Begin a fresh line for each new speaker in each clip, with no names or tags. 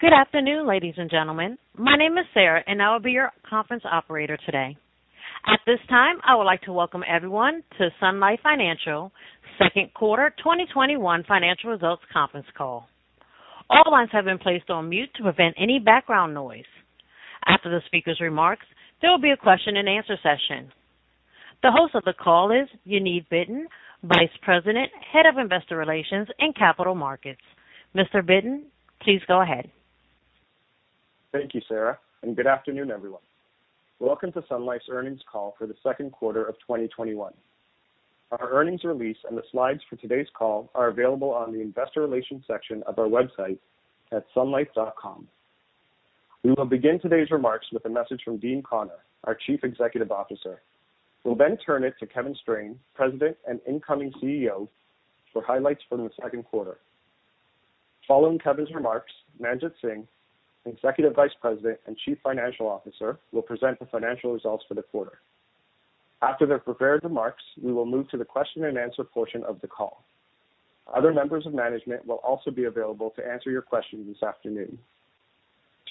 Good afternoon, ladies and gentlemen. My name is Sarah, and I will be your conference operator today. At this time, I would like to welcome everyone to Sun Life Financial Second Quarter 2021 Financial Results Conference Call. All lines have been placed on mute to prevent any background noise. After the speaker's remarks, there will be a question and answer session. The host of the call is Yaniv Bitton, Vice-President, Head of Investor Relations and Capital Markets. Mr. Bitton, please go ahead.
Thank you, Sarah. Good afternoon, everyone. Welcome to Sun Life's earnings call for Q2 2021. Our earnings release and the slides for today's call are available on the investor relations section of our website at sunlife.com. We will begin today's remarks with a message from Dean Connor, our Chief Executive Officer. We'll turn it to Kevin Strain, President and incoming CEO, for highlights from Q2. Following Kevin's remarks, Manjit Singh, Executive Vice President and Chief Financial Officer, will present the financial results for the quarter. After their prepared remarks, we will move to the question and answer portion of the call. Other members of management will also be available to answer your question this afternoon.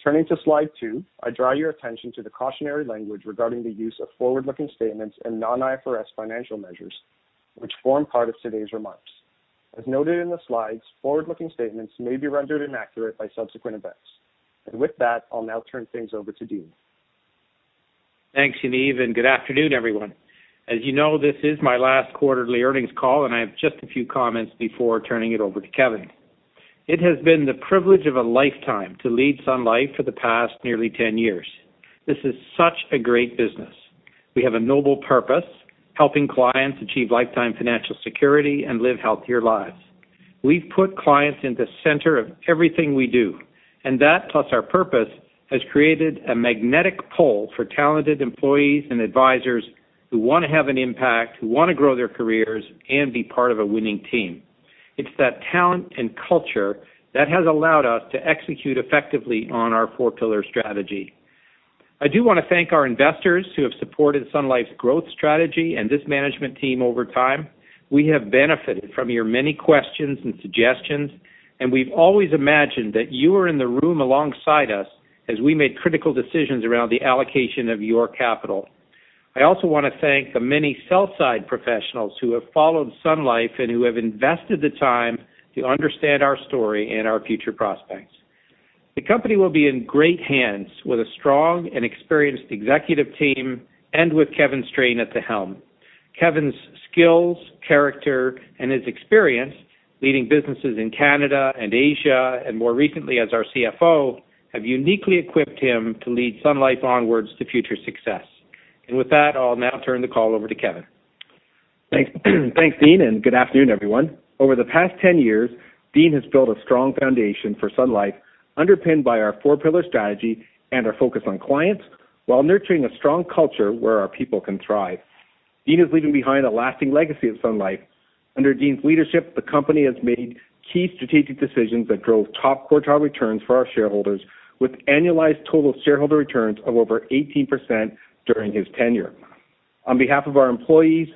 Turning to slide two, I draw your attention to the cautionary language regarding the use of forward-looking statements and non-IFRS financial measures, which form part of today's remarks. As noted in the slides, forward-looking statements may be rendered inaccurate by subsequent events. With that, I'll now turn things over to Dean.
Thanks, Yaniv, and good afternoon, everyone. As you know, this is my last quarterly earnings call, and I have just a few comments before turning it over to Kevin. It has been the privilege of a lifetime to lead Sun Life for the past nearly 10 years. This is such a great business. We have a noble purpose, helping clients achieve lifetime financial security and live healthier lives. We've put clients in the center of everything we do, and that, plus our purpose, has created a magnetic pull for talented employees and advisors who want to have an impact, who want to grow their careers and be part of a winning team. It's that talent and culture that has allowed us to execute effectively on our four pillar strategy. I do want to thank our investors who have supported Sun Life's growth strategy and this management team over time. We have benefited from your many questions and suggestions, and we've always imagined that you were in the room alongside us as we made critical decisions around the allocation of your capital. I also want to thank the many sell side professionals who have followed Sun Life and who have invested the time to understand our story and our future prospects. The company will be in great hands with a strong and experienced executive team and with Kevin Strain at the helm. Kevin's skills, character, and his experience leading businesses in Canada and Asia, and more recently as our CFO, have uniquely equipped him to lead Sun Life onwards to future success. With that, I'll now turn the call over to Kevin.
Thanks, Dean. Good afternoon, everyone. Over the past 10 years, Dean has built a strong foundation for Sun Life, underpinned by our Four Pillar Strategy and our focus on clients, while nurturing a strong culture where our people can thrive. Dean is leaving behind a lasting legacy at Sun Life. Under Dean's leadership, the company has made key strategic decisions that drove top quartile returns for our shareholders, with annualized total shareholder returns of over 18% during his tenure. On behalf of our employees,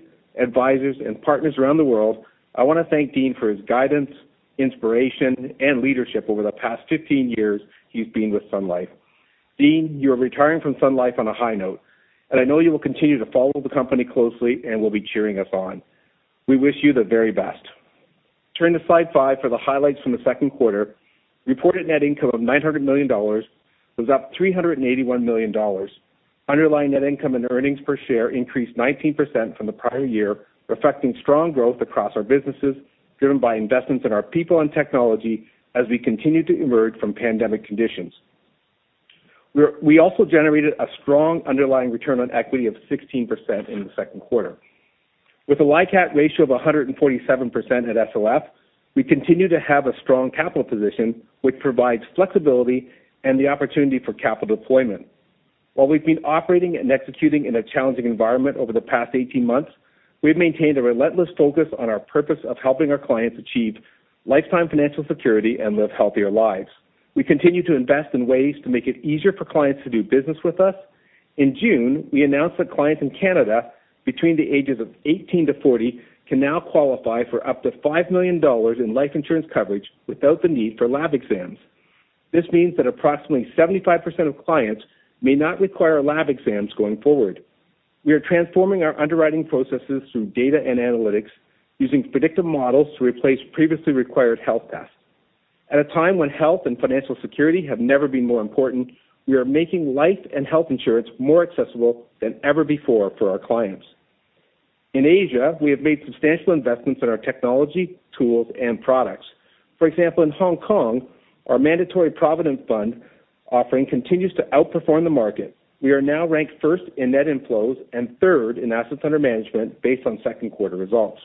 advisors, and partners around the world, I want to thank Dean for his guidance, inspiration, and leadership over the past 15 years he's been with Sun Life. Dean, you are retiring from Sun Life on a high note. I know you will continue to follow the company closely and will be cheering us on. We wish you the very best. Turn to slide five for the highlights from the second quarter. Reported net income of 900 million dollars was up 381 million dollars. Underlying net income and earnings per share increased 19% from the prior year, reflecting strong growth across our businesses, driven by investments in our people and technology as we continue to emerge from pandemic conditions. We also generated a strong underlying return on equity of 16% in the second quarter. With a LICAT ratio of 147% at SLF, we continue to have a strong capital position, which provides flexibility and the opportunity for capital deployment. While we've been operating and executing in a challenging environment over the past 18 months, we've maintained a relentless focus on our purpose of helping our clients achieve lifetime financial security and live healthier lives. We continue to invest in ways to make it easier for clients to do business with us. In June, we announced that clients in Canada between the ages of 18-40 can now qualify for up to 5 million dollars in life insurance coverage without the need for lab exams. This means that approximately 75% of clients may not require lab exams going forward. We are transforming our underwriting processes through data and analytics using predictive models to replace previously required health tests. At a time when health and financial security have never been more important, we are making life and health insurance more accessible than ever before for our clients. In Asia, we have made substantial investments in our technology, tools, and products. For example, in Hong Kong, our Mandatory Provident Fund offering continues to outperform the market. We are now ranked first in net inflows and third in assets under management based on second quarter results.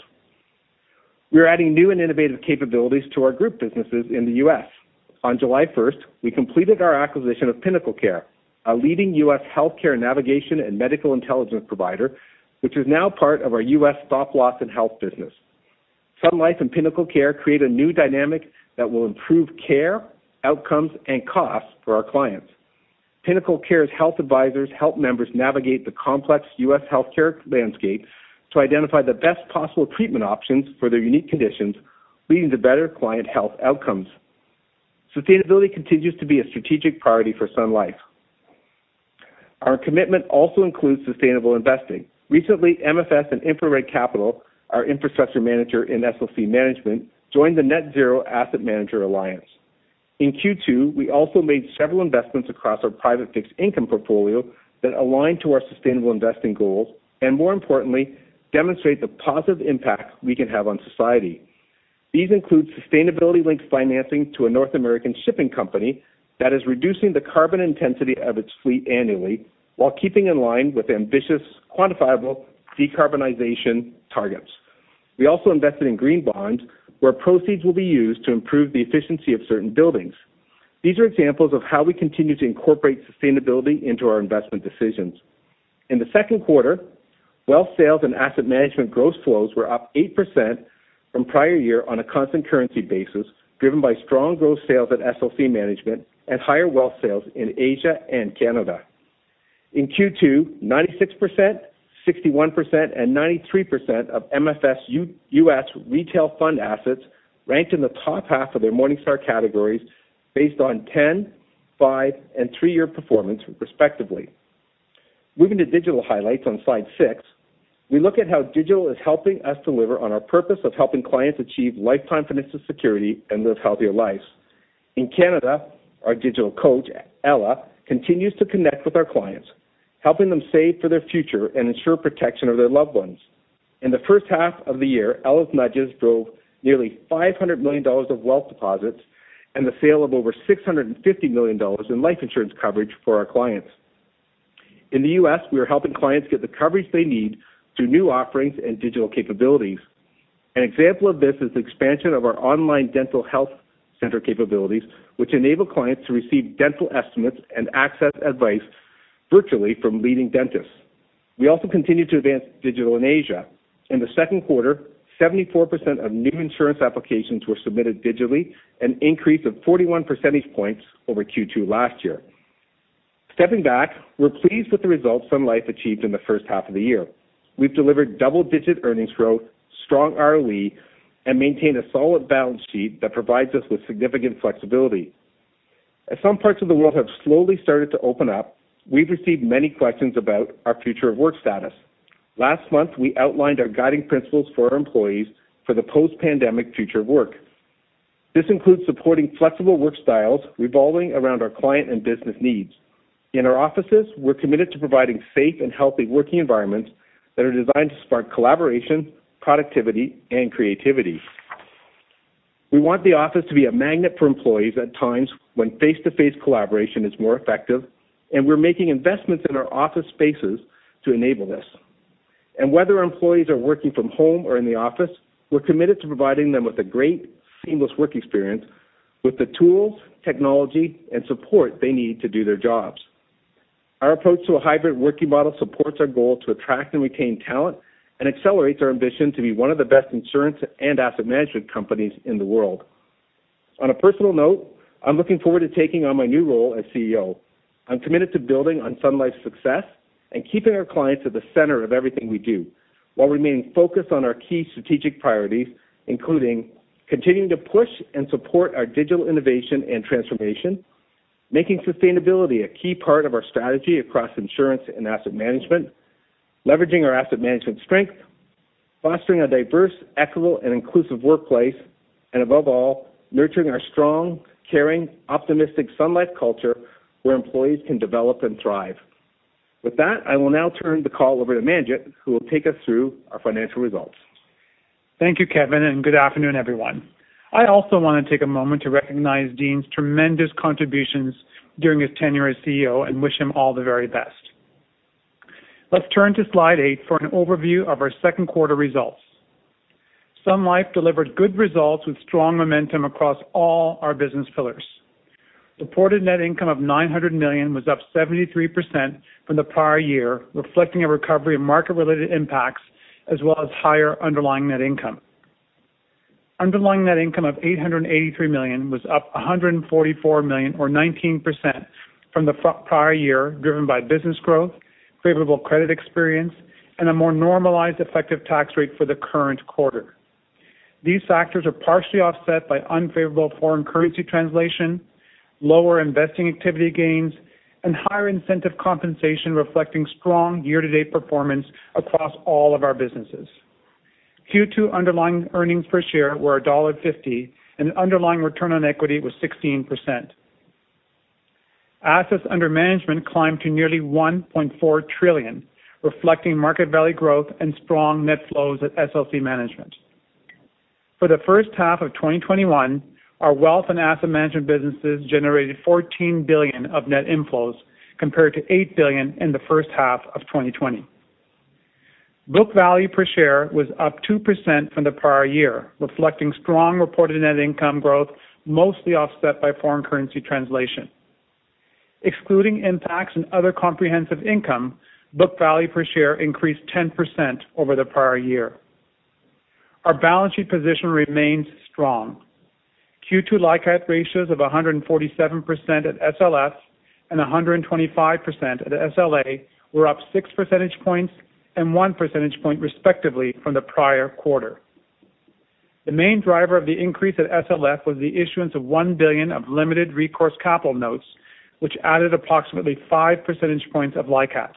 We are adding new and innovative capabilities to our group businesses in the U.S. On July 1st, we completed our acquisition of PinnacleCare, a leading U.S. healthcare navigation and medical intelligence provider, which is now part of our U.S. stop-loss and health business. Sun Life and PinnacleCare create a new dynamic that will improve care, outcomes, and costs for our clients. PinnacleCare's health advisors help members navigate the complex U.S. healthcare landscape to identify the best possible treatment options for their unique conditions, leading to better client health outcomes. Sustainability continues to be a strategic priority for Sun Life. Our commitment also includes sustainable investing. Recently, MFS and InfraRed Capital Partners, our infrastructure manager in SLC Management, joined the Net Zero Asset Managers initiative. In Q2, we also made several investments across our private fixed income portfolio that align to our sustainable investing goals, and more importantly, demonstrate the positive impact we can have on society. These include sustainability-linked financing to a North American shipping company that is reducing the carbon intensity of its fleet annually while keeping in line with ambitious, quantifiable decarbonization targets. We also invested in green bonds, where proceeds will be used to improve the efficiency of certain buildings. These are examples of how we continue to incorporate sustainability into our investment decisions. In the second quarter, wealth sales and asset management gross flows were up 8% from prior year on a constant currency basis, driven by strong growth sales at SLC Management and higher wealth sales in Asia and Canada. In Q2, 96%, 61% and 93% of MFS U.S. retail fund assets ranked in the top half of their Morningstar categories based on 10, five, and three-year performance respectively. Moving to digital highlights on slide six, we look at how digital is helping us deliver on our purpose of helping clients achieve lifetime financial security and live healthier lives. In Canada, our digital coach, Ella, continues to connect with our clients, helping them save for their future and ensure protection of their loved ones. In the first half of the year, Ella's nudges drove nearly 500 million dollars of wealth deposits and the sale of over 650 million dollars in life insurance coverage for our clients. In the U.S., we are helping clients get the coverage they need through new offerings and digital capabilities. An example of this is the expansion of our online dental health center capabilities, which enable clients to receive dental estimates and access advice virtually from leading dentists. We also continue to advance digital in Asia. In the second quarter, 74% of new insurance applications were submitted digitally, an increase of 41 percentage points over Q2 last year. Stepping back, we're pleased with the results Sun Life achieved in the first half of the year. We've delivered double-digit earnings growth, strong ROE, and maintained a solid balance sheet that provides us with significant flexibility. As some parts of the world have slowly started to open up, we've received many questions about our future of work status. Last month, we outlined our guiding principles for our employees for the post-pandemic future of work. This includes supporting flexible work styles revolving around our client and business needs. In our offices, we're committed to providing safe and healthy working environments that are designed to spark collaboration, productivity, and creativity. We want the office to be a magnet for employees at times when face-to-face collaboration is more effective, and we're making investments in our office spaces to enable this. Whether employees are working from home or in the office, we're committed to providing them with a great, seamless work experience with the tools, technology, and support they need to do their jobs. Our approach to a hybrid working model supports our goal to attract and retain talent and accelerates our ambition to be one of the best insurance and asset management companies in the world. On a personal note, I'm looking forward to taking on my new role as CEO. I'm committed to building on Sun Life's success and keeping our clients at the center of everything we do while remaining focused on our key strategic priorities, including continuing to push and support our digital innovation and transformation, making sustainability a key part of our strategy across insurance and asset management, leveraging our asset management strength, fostering a diverse, equitable, and inclusive workplace, and above all, nurturing our strong, caring, optimistic Sun Life culture where employees can develop and thrive. With that, I will now turn the call over to Manjit, who will take us through our financial results.
Thank you, Kevin, good afternoon, everyone. I also want to take a moment to recognize Dean's tremendous contributions during his tenure as CEO and wish him all the very best. Let's turn to slide eight for an overview of our second quarter results. Sun Life delivered good results with strong momentum across all our business pillars. Reported net income of 900 million was up 73% from the prior year, reflecting a recovery of market-related impacts as well as higher underlying net income. Underlying net income of 883 million was up 144 million or 19% from the prior year, driven by business growth, favorable credit experience, and a more normalized effective tax rate for the current quarter. These factors are partially offset by unfavorable foreign currency translation, lower investing activity gains, and higher incentive compensation reflecting strong year-to-date performance across all of our businesses. Q2 underlying earnings per share were dollar 1.50, and underlying return on equity was 16%. Assets under management climbed to nearly 1.4 trillion, reflecting market value growth and strong net flows at SLC Management. For the first half of 2021, our wealth and asset management businesses generated 14 billion of net inflows compared to 8 billion in the first half of 2020. Book value per share was up 2% from the prior year, reflecting strong reported net income growth, mostly offset by foreign currency translation. Excluding impacts and other comprehensive income, book value per share increased 10% over the prior year. Our balance sheet position remains strong. Q2 LICAT ratios of 147% at SLF and 125% at SLA were up 6 percentage points and 1 percentage point, respectively, from the prior quarter. The main driver of the increase at SLF was the issuance of 1 billion of Limited Recourse Capital Notes, which added approximately five percentage points of LICAT.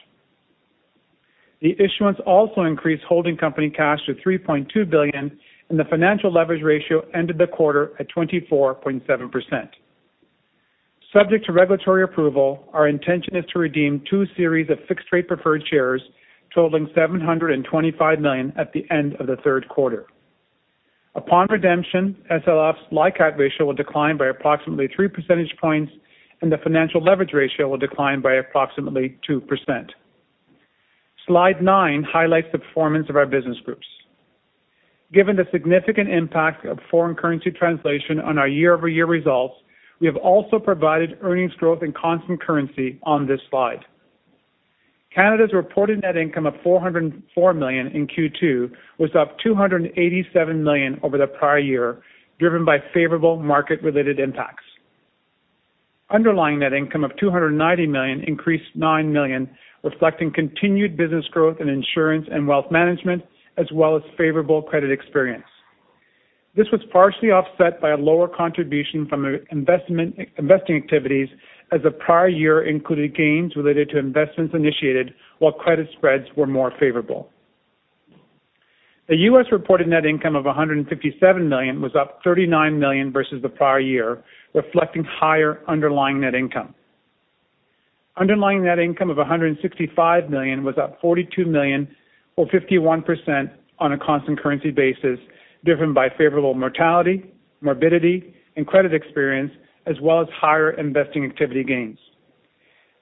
The issuance also increased holding company cash to 3.2 billion, and the financial leverage ratio ended the quarter at 24.7%. Subject to regulatory approval, our intention is to redeem two series of fixed-rate preferred shares totaling 725 million at the end of the third quarter. Upon redemption, SLF's LICAT ratio will decline by approximately three percentage points, and the financial leverage ratio will decline by approximately 2%. Slide nine highlights the performance of our business groups. Given the significant impact of foreign currency translation on our YoY results, we have also provided earnings growth in constant currency on this slide. Canada's reported net income of 404 million in Q2 was up 287 million over the prior year, driven by favorable market-related impacts. Underlying net income of 290 million increased 9 million, reflecting continued business growth in insurance and wealth management, as well as favorable credit experience. This was partially offset by a lower contribution from investing activities, as the prior year included gains related to investments initiated while credit spreads were more favorable. The U.S. reported net income of 157 million was up 39 million versus the prior year, reflecting higher underlying net income. Underlying net income of 165 million was up 42 million or 51% on a constant currency basis, driven by favorable mortality, morbidity, and credit experience, as well as higher investing activity gains.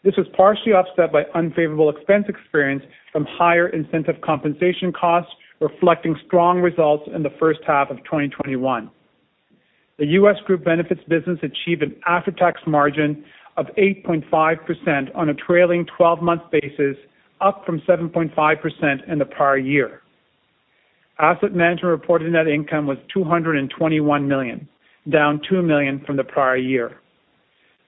This was partially offset by unfavorable expense experience from higher incentive compensation costs, reflecting strong results in the first half of 2021. The U.S. Group Benefits business achieved an after-tax margin of 8.5% on a trailing 12-month basis, up from 7.5% in the prior year. Asset Management reported net income was 221 million, down 2 million from the prior year.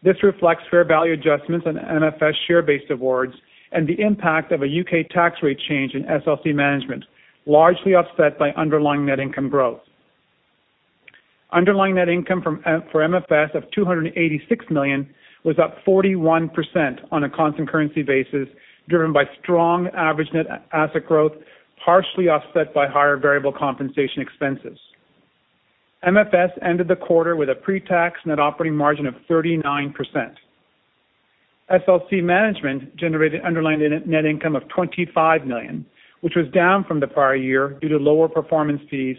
This reflects fair value adjustments on MFS share-based awards and the impact of a U.K. tax rate change in SLC Management, largely offset by underlying net income growth. Underlying net income for MFS of 286 million was up 41% on a constant currency basis, driven by strong average net asset growth, partially offset by higher variable compensation expenses. MFS ended the quarter with a pre-tax net operating margin of 39%. SLC Management generated underlying net income of 25 million, which was down from the prior year due to lower performance fees,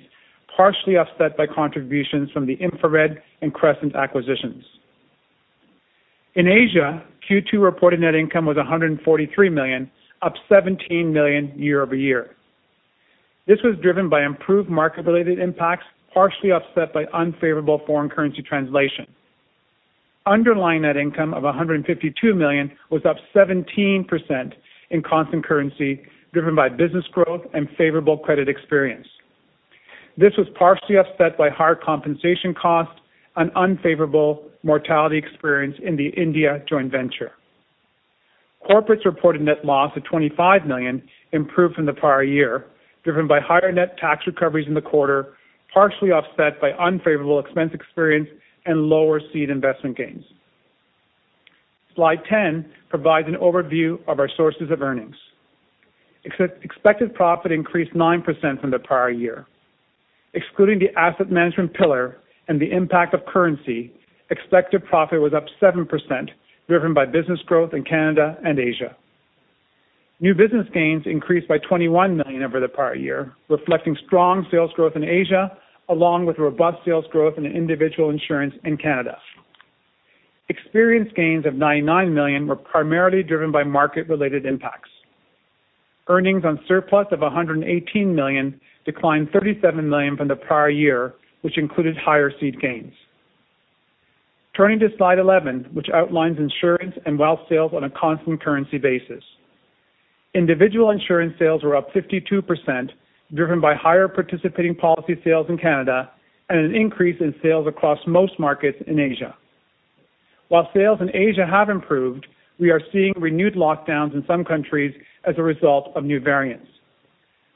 partially offset by contributions from the InfraRed and Crescent acquisitions. In Asia, Q2 reported net income was 143 million, up 17 million YoY. This was driven by improved market-related impacts, partially offset by unfavorable foreign currency translation. Underlying net income of 152 million was up 17% in constant currency, driven by business growth and favorable credit experience. This was partially offset by higher compensation costs and unfavorable mortality experience in the India joint venture. Corporate's reported net loss of 25 million improved from the prior year, driven by higher net tax recoveries in the quarter, partially offset by unfavorable expense experience and lower seed investment gains. Slide 10 provides an overview of our sources of earnings. Expected profit increased 9% from the prior year. Excluding the Asset Management pillar and the impact of currency, expected profit was up 7%, driven by business growth in Canada and Asia. New business gains increased by 21 million over the prior year, reflecting strong sales growth in Asia, along with robust sales growth in individual insurance in Canada. Experience gains of 99 million were primarily driven by market-related impacts. Earnings on surplus of 118 million declined 37 million from the prior year, which included higher seed gains. Turning to slide 11, which outlines insurance and wealth sales on a constant currency basis. Individual insurance sales were up 52%, driven by higher participating policy sales in Canada and an increase in sales across most markets in Asia. While sales in Asia have improved, we are seeing renewed lockdowns in some countries as a result of new variants.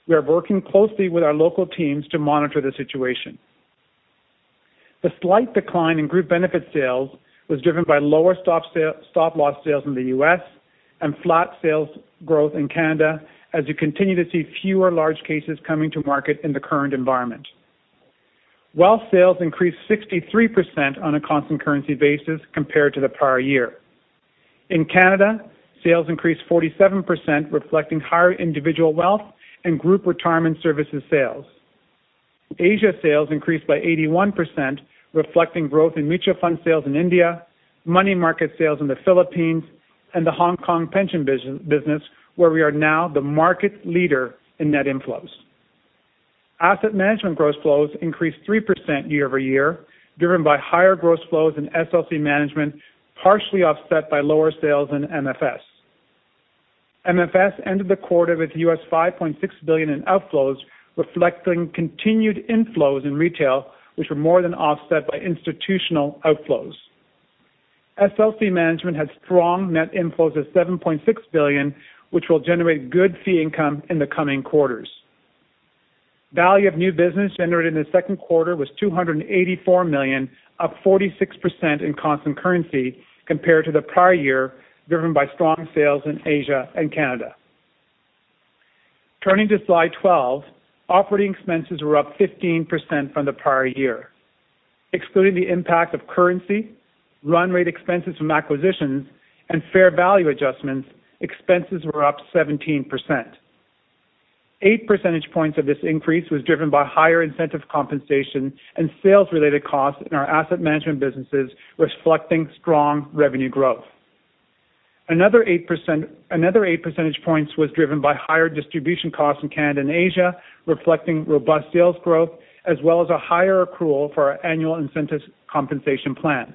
We are working closely with our local teams to monitor the situation. The slight decline in group benefits sales was driven by lower stop-loss sales in the U.S. and flat sales growth in Canada, as you continue to see fewer large cases coming to market in the current environment. Wealth sales increased 63% on a constant currency basis compared to the prior year. In Canada, sales increased 47%, reflecting higher individual wealth and group retirement services sales. Asia sales increased by 81%, reflecting growth in mutual fund sales in India, money market sales in the Philippines, and the Hong Kong pension business, where we are now the market leader in net inflows. Asset Management gross flows increased 3% YoY, driven by higher gross flows in SLC Management, partially offset by lower sales in MFS. MFS ended the quarter with $5.6 billion in outflows, reflecting continued inflows in retail, which were more than offset by institutional outflows. SLC Management had strong net inflows of 7.6 billion, which will generate good fee income in the coming quarters. Value of new business generated in the second quarter was 284 million, up 46% in constant currency compared to the prior year, driven by strong sales in Asia and Canada. Turning to slide 12. Operating expenses were up 15% from the prior year. Excluding the impact of currency, run rate expenses from acquisitions, and fair value adjustments, expenses were up 17%. Eight percentage points of this increase was driven by higher incentive compensation and sales-related costs in our asset management businesses, reflecting strong revenue growth. Another 8 percentage points was driven by higher distribution costs in Canada and Asia, reflecting robust sales growth, as well as a higher accrual for our annual incentive compensation plan.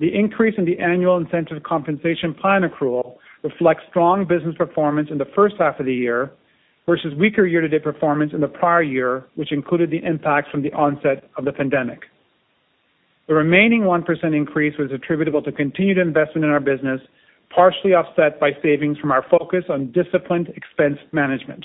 The increase in the annual incentive compensation plan accrual reflects strong business performance in the first half of the year versus weaker year-to-date performance in the prior year, which included the impact from the onset of the pandemic. The remaining 1% increase was attributable to continued investment in our business, partially offset by savings from our focus on disciplined expense management.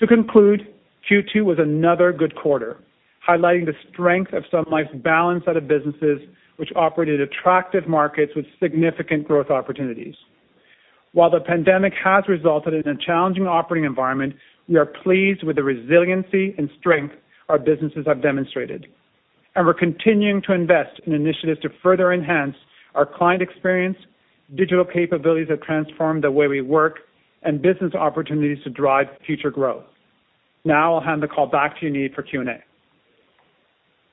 To conclude, Q2 was another good quarter, highlighting the strength of Sun Life's balance set of businesses, which operate in attractive markets with significant growth opportunities. While the pandemic has resulted in a challenging operating environment, we are pleased with the resiliency and strength our businesses have demonstrated, and we're continuing to invest in initiatives to further enhance our client experience, digital capabilities that transform the way we work, and business opportunities to drive future growth. Now I'll hand the call back to Yaniv for Q&A.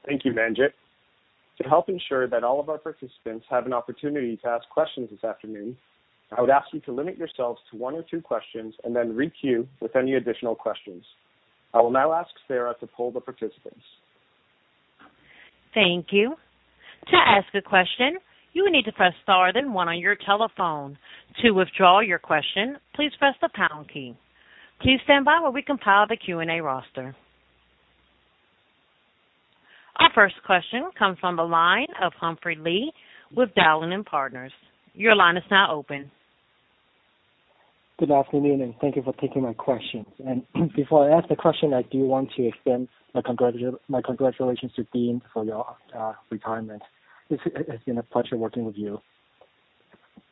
Thank you, Manjit. To help ensure that all of our participants have an opportunity to ask questions this afternoon, I would ask you to limit yourselves to one or two questions and then re-queue with any additional questions. I will now ask Sarah to poll the participants.
Thank you. To ask a question you need to press star then one on your telephone. To withdraw your question please press the pound key. Please standby as we compile the Q&A roster. Our first question comes from the line of Humphrey Lee with Dowling & Partners. Your line is now open.
Good afternoon. Thank you for taking my questions. Before I ask the question, I do want to extend my congratulations to Dean for your retirement. It's been a pleasure working with you.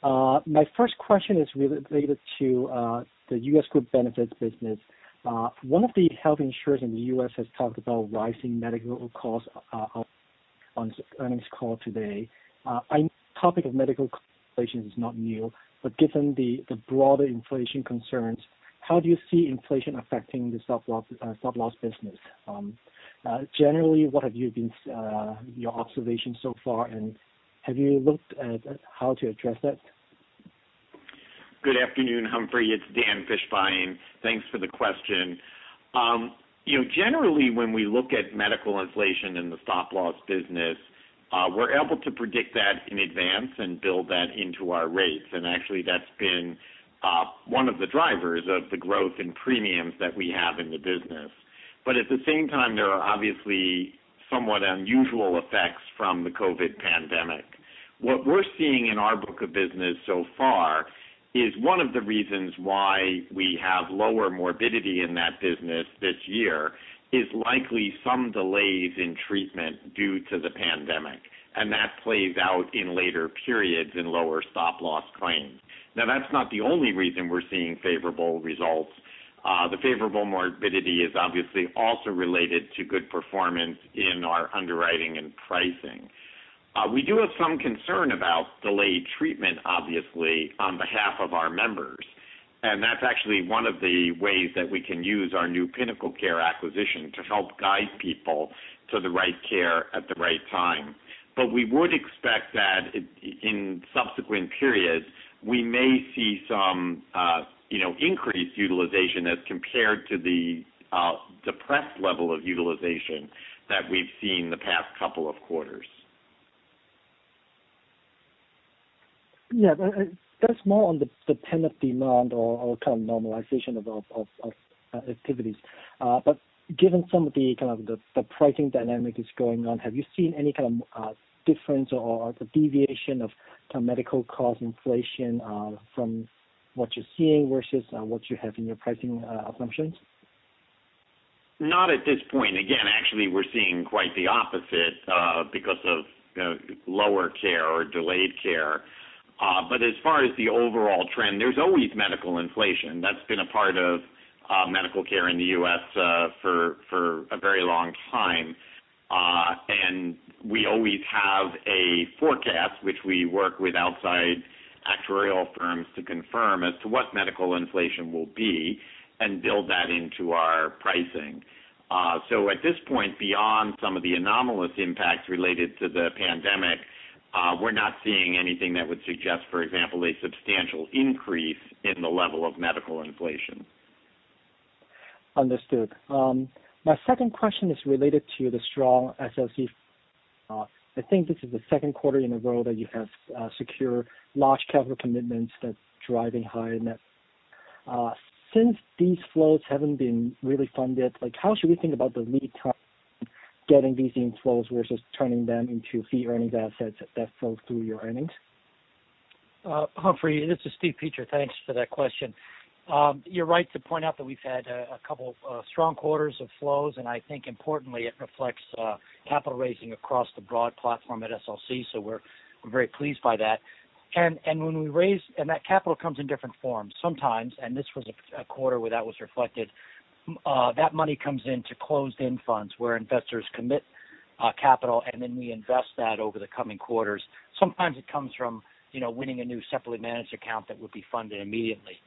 My first question is related to the U.S. group benefits business. One of the health insurers in the U.S. has talked about rising medical costs on its earnings call today. The topic of medical inflation is not new. Given the broader inflation concerns, how do you see inflation affecting the stop-loss business? Generally, what have your observations so far? Have you looked at how to address that?
Good afternoon, Humphrey. It's Dan Fishbein. Thanks for the question. Generally, when we look at medical inflation in the stop-loss business, we're able to predict that in advance and build that into our rates, and actually that's been one of the drivers of the growth in premiums that we have in the business. At the same time, there are obviously somewhat unusual effects from the COVID pandemic. What we're seeing in our book of business so far is one of the reasons why we have lower morbidity in that business this year is likely some delays in treatment due to the pandemic. That plays out in later periods in lower stop-loss claims. That's not the only reason we're seeing favorable results. The favorable morbidity is obviously also related to good performance in our underwriting and pricing. We do have some concern about delayed treatment, obviously, on behalf of our members, and that's actually one of the ways that we can use our new PinnacleCare acquisition to help guide people to the right care at the right time. We would expect that in subsequent periods, we may see some increased utilization as compared to the depressed level of utilization that we've seen in the past couple of quarters.
Yeah. That's more on the pent-up demand or kind of normalization of activities. Given some of the pricing dynamics going on, have you seen any kind of difference or the deviation of medical cost inflation from what you're seeing versus what you have in your pricing assumptions?
Not at this point. Again, actually, we're seeing quite the opposite because of lower care or delayed care. As far as the overall trend, there's always medical inflation. That's been a part of medical care in the U.S. for a very long time. We always have a forecast, which we work with outside actuarial firms to confirm as to what medical inflation will be and build that into our pricing. At this point, beyond some of the anomalous impacts related to the pandemic, we're not seeing anything that would suggest, for example, a substantial increase in the level of medical inflation.
Understood. My second question is related to the strong SLC. I think this is the second quarter in a row that you have secured large capital commitments that's driving high in that. These flows haven't been really funded, how should we think about the lead time getting these inflows versus turning them into fee-earning assets that flow through your earnings?
Humphrey, this is Stephen. Thanks for that question. You're right to point out that we've had two strong quarters of flows, importantly, it reflects capital raising across the broad platform at SLC. We're very pleased by that. That capital comes in different forms sometimes, this was a quarter where that was reflected. That money comes into closed-end funds where investors commit capital, then we invest that over the coming quarters. Sometimes it comes from winning a new separately managed account that would be funded immediately.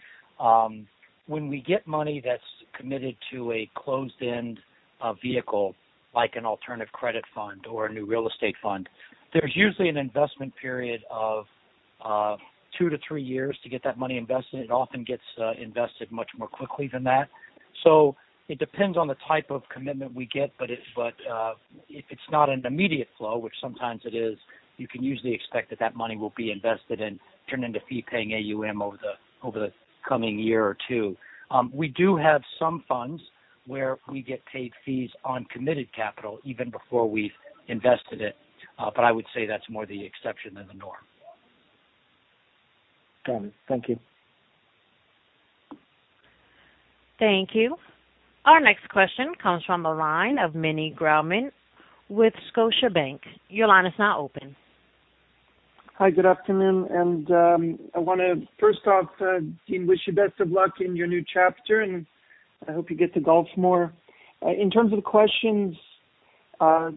When we get money that's committed to a closed-end vehicle like an alternative credit fund or a new real estate fund, there's usually an investment period of two to three years to get that money invested. It often gets invested much more quickly than that. It depends on the type of commitment we get. If it's not an immediate flow, which sometimes it is, you can usually expect that that money will be invested and turn into fee-paying AUM over the coming year or two. We do have some funds where we get paid fees on committed capital even before we've invested it. I would say that's more the exception than the norm.
Got it. Thank you.
Thank you. Our next question comes from the line of Meny Grauman with Scotiabank. Your line is now open.
Hi, good afternoon. I want to first off, Dean, wish you best of luck in your new chapter. I hope you get to golf more. In terms of questions,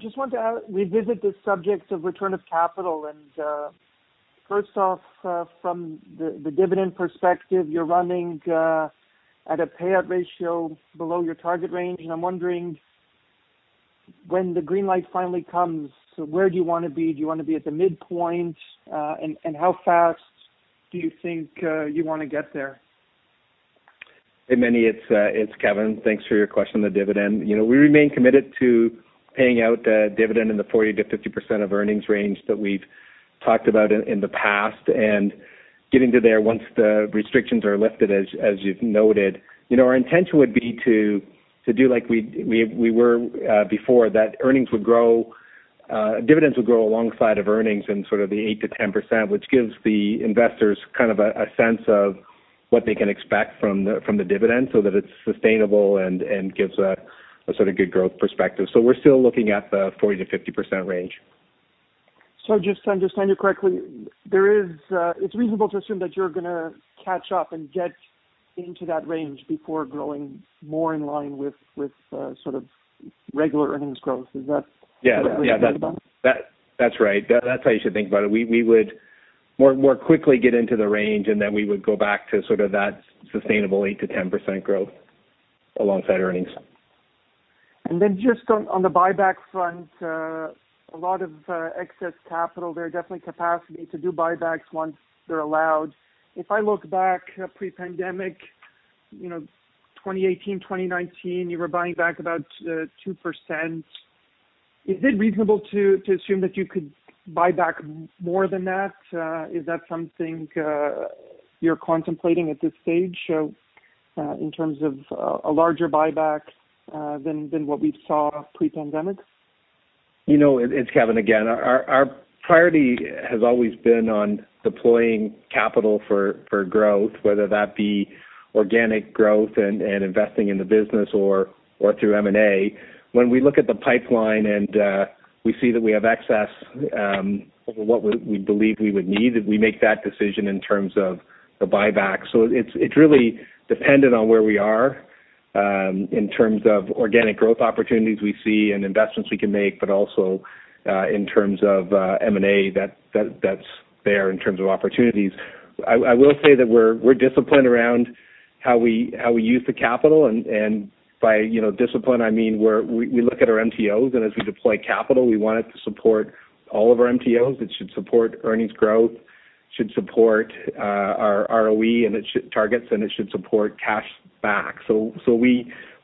just want to revisit the subject of return of capital. First off, from the dividend perspective, you're running at a payout ratio below your target range. I'm wondering when the green light finally comes, where do you want to be? Do you want to be at the midpoint? How fast do you think you want to get there?
Hey, Meny, it's Kevin Strain. Thanks for your question on the dividend. We remain committed to paying out a dividend in the 40%-50% of earnings range that we've talked about in the past and getting to there once the restrictions are lifted, as you've noted. Our intention would be to do like we were before, that dividends would grow alongside of earnings and sort of the 8%-10%, which gives the investors kind of a sense of what they can expect from the dividend so that it's sustainable and gives a sort of good growth perspective. We're still looking at the 40%-50% range.
Just to understand you correctly, it's reasonable to assume that you're going to catch up and get into that range before growing more in line with sort of regular earnings growth. Is that?
Yeah.
What you're talking about?
That's right. That's how you should think about it. We would more quickly get into the range, and then we would go back to sort of that sustainable 8%-10% growth alongside earnings.
Just on the buyback front a lot of excess capital there, definitely capacity to do buybacks once they're allowed. If I look back pre-pandemic, 2018, 2019, you were buying back about 2%. Is it reasonable to assume that you could buy back more than that? Is that something you're contemplating at this stage in terms of a larger buyback than what we saw pre-pandemic?
It's Kevin again. Our priority has always been on deploying capital for growth, whether that be organic growth and investing in the business or through M&A. When we look at the pipeline and we see that we have excess over what we believe we would need, we make that decision in terms of the buyback. It's really dependent on where we are in terms of organic growth opportunities we see and investments we can make, but also in terms of M&A that's there in terms of opportunities. I will say that we're disciplined around how we use the capital, and by discipline, I mean we look at our MTOs, and as we deploy capital, we want it to support all of our MTOs. It should support earnings growth, should support our ROE targets, and it should support cash back.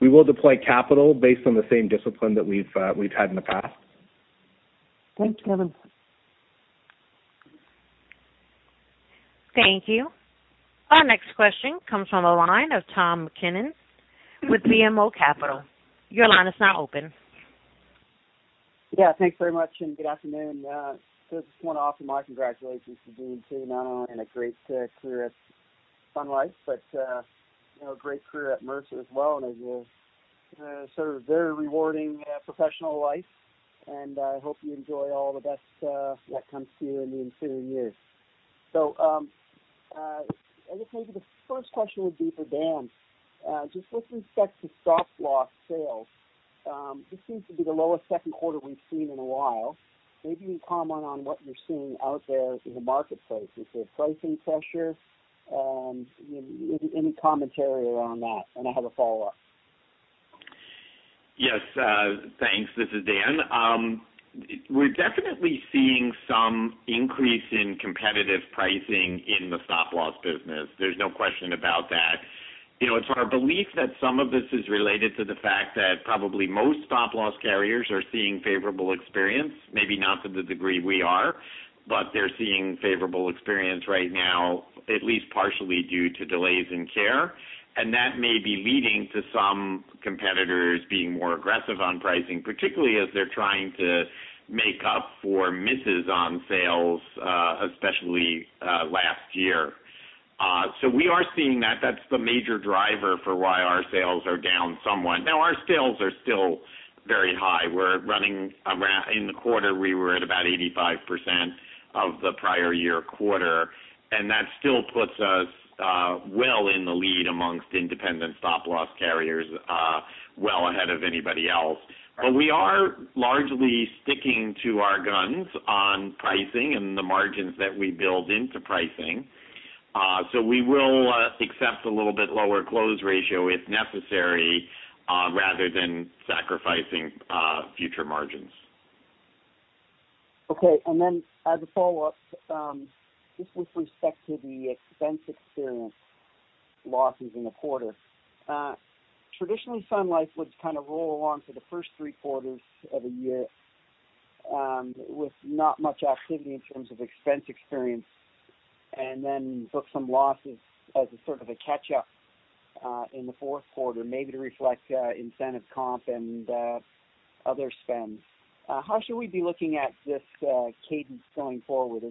We will deploy capital based on the same discipline that we've had in the past.
Thanks, Kevin.
Thank you. Our next question comes from the line of Tom MacKinnon with BMO Capital Markets. Your line is now open.
Thanks very much, and good afternoon. Just want to offer my congratulations to Dean, too. Not only on a great career at Sun Life, but a great career at Mercer as well, and as a sort of very rewarding professional life, and I hope you enjoy all the best that comes to you in the ensuing years. I guess maybe the first question would be for Dan. Just with respect to stop-loss sales this seems to be the lowest second quarter we've seen in a while. Maybe you can comment on what you're seeing out there in the marketplace. Is there pricing pressure? Any commentary around that? I have a follow-up.
Thanks. This is Dan. We're definitely seeing some increase in competitive pricing in the stop-loss business. There's no question about that. It's our belief that some of this is related to the fact that probably most stop-loss carriers are seeing favorable experience, maybe not to the degree we are, but they're seeing favorable experience right now, at least partially due to delays in care. That may be leading to some competitors being more aggressive on pricing, particularly as they're trying to make up for misses on sales, especially last year. We are seeing that. That's the major driver for why our sales are down somewhat. Our sales are still very high. In the quarter, we were at about 85% of the prior year quarter, and that still puts us well in the lead amongst independent stop-loss carriers, well ahead of anybody else. We are largely sticking to our guns on pricing and the margins that we build into pricing. We will accept a little bit lower close ratio if necessary, rather than sacrificing future margins.
As a follow-up, just with respect to the expense experience losses in the quarter. Traditionally, Sun Life would kind of roll along for the first three quarters of a year with not much activity in terms of expense experience, and then book some losses as a sort of a catch-up in the fourth quarter, maybe to reflect incentive comp and other spends. How should we be looking at this cadence going forward?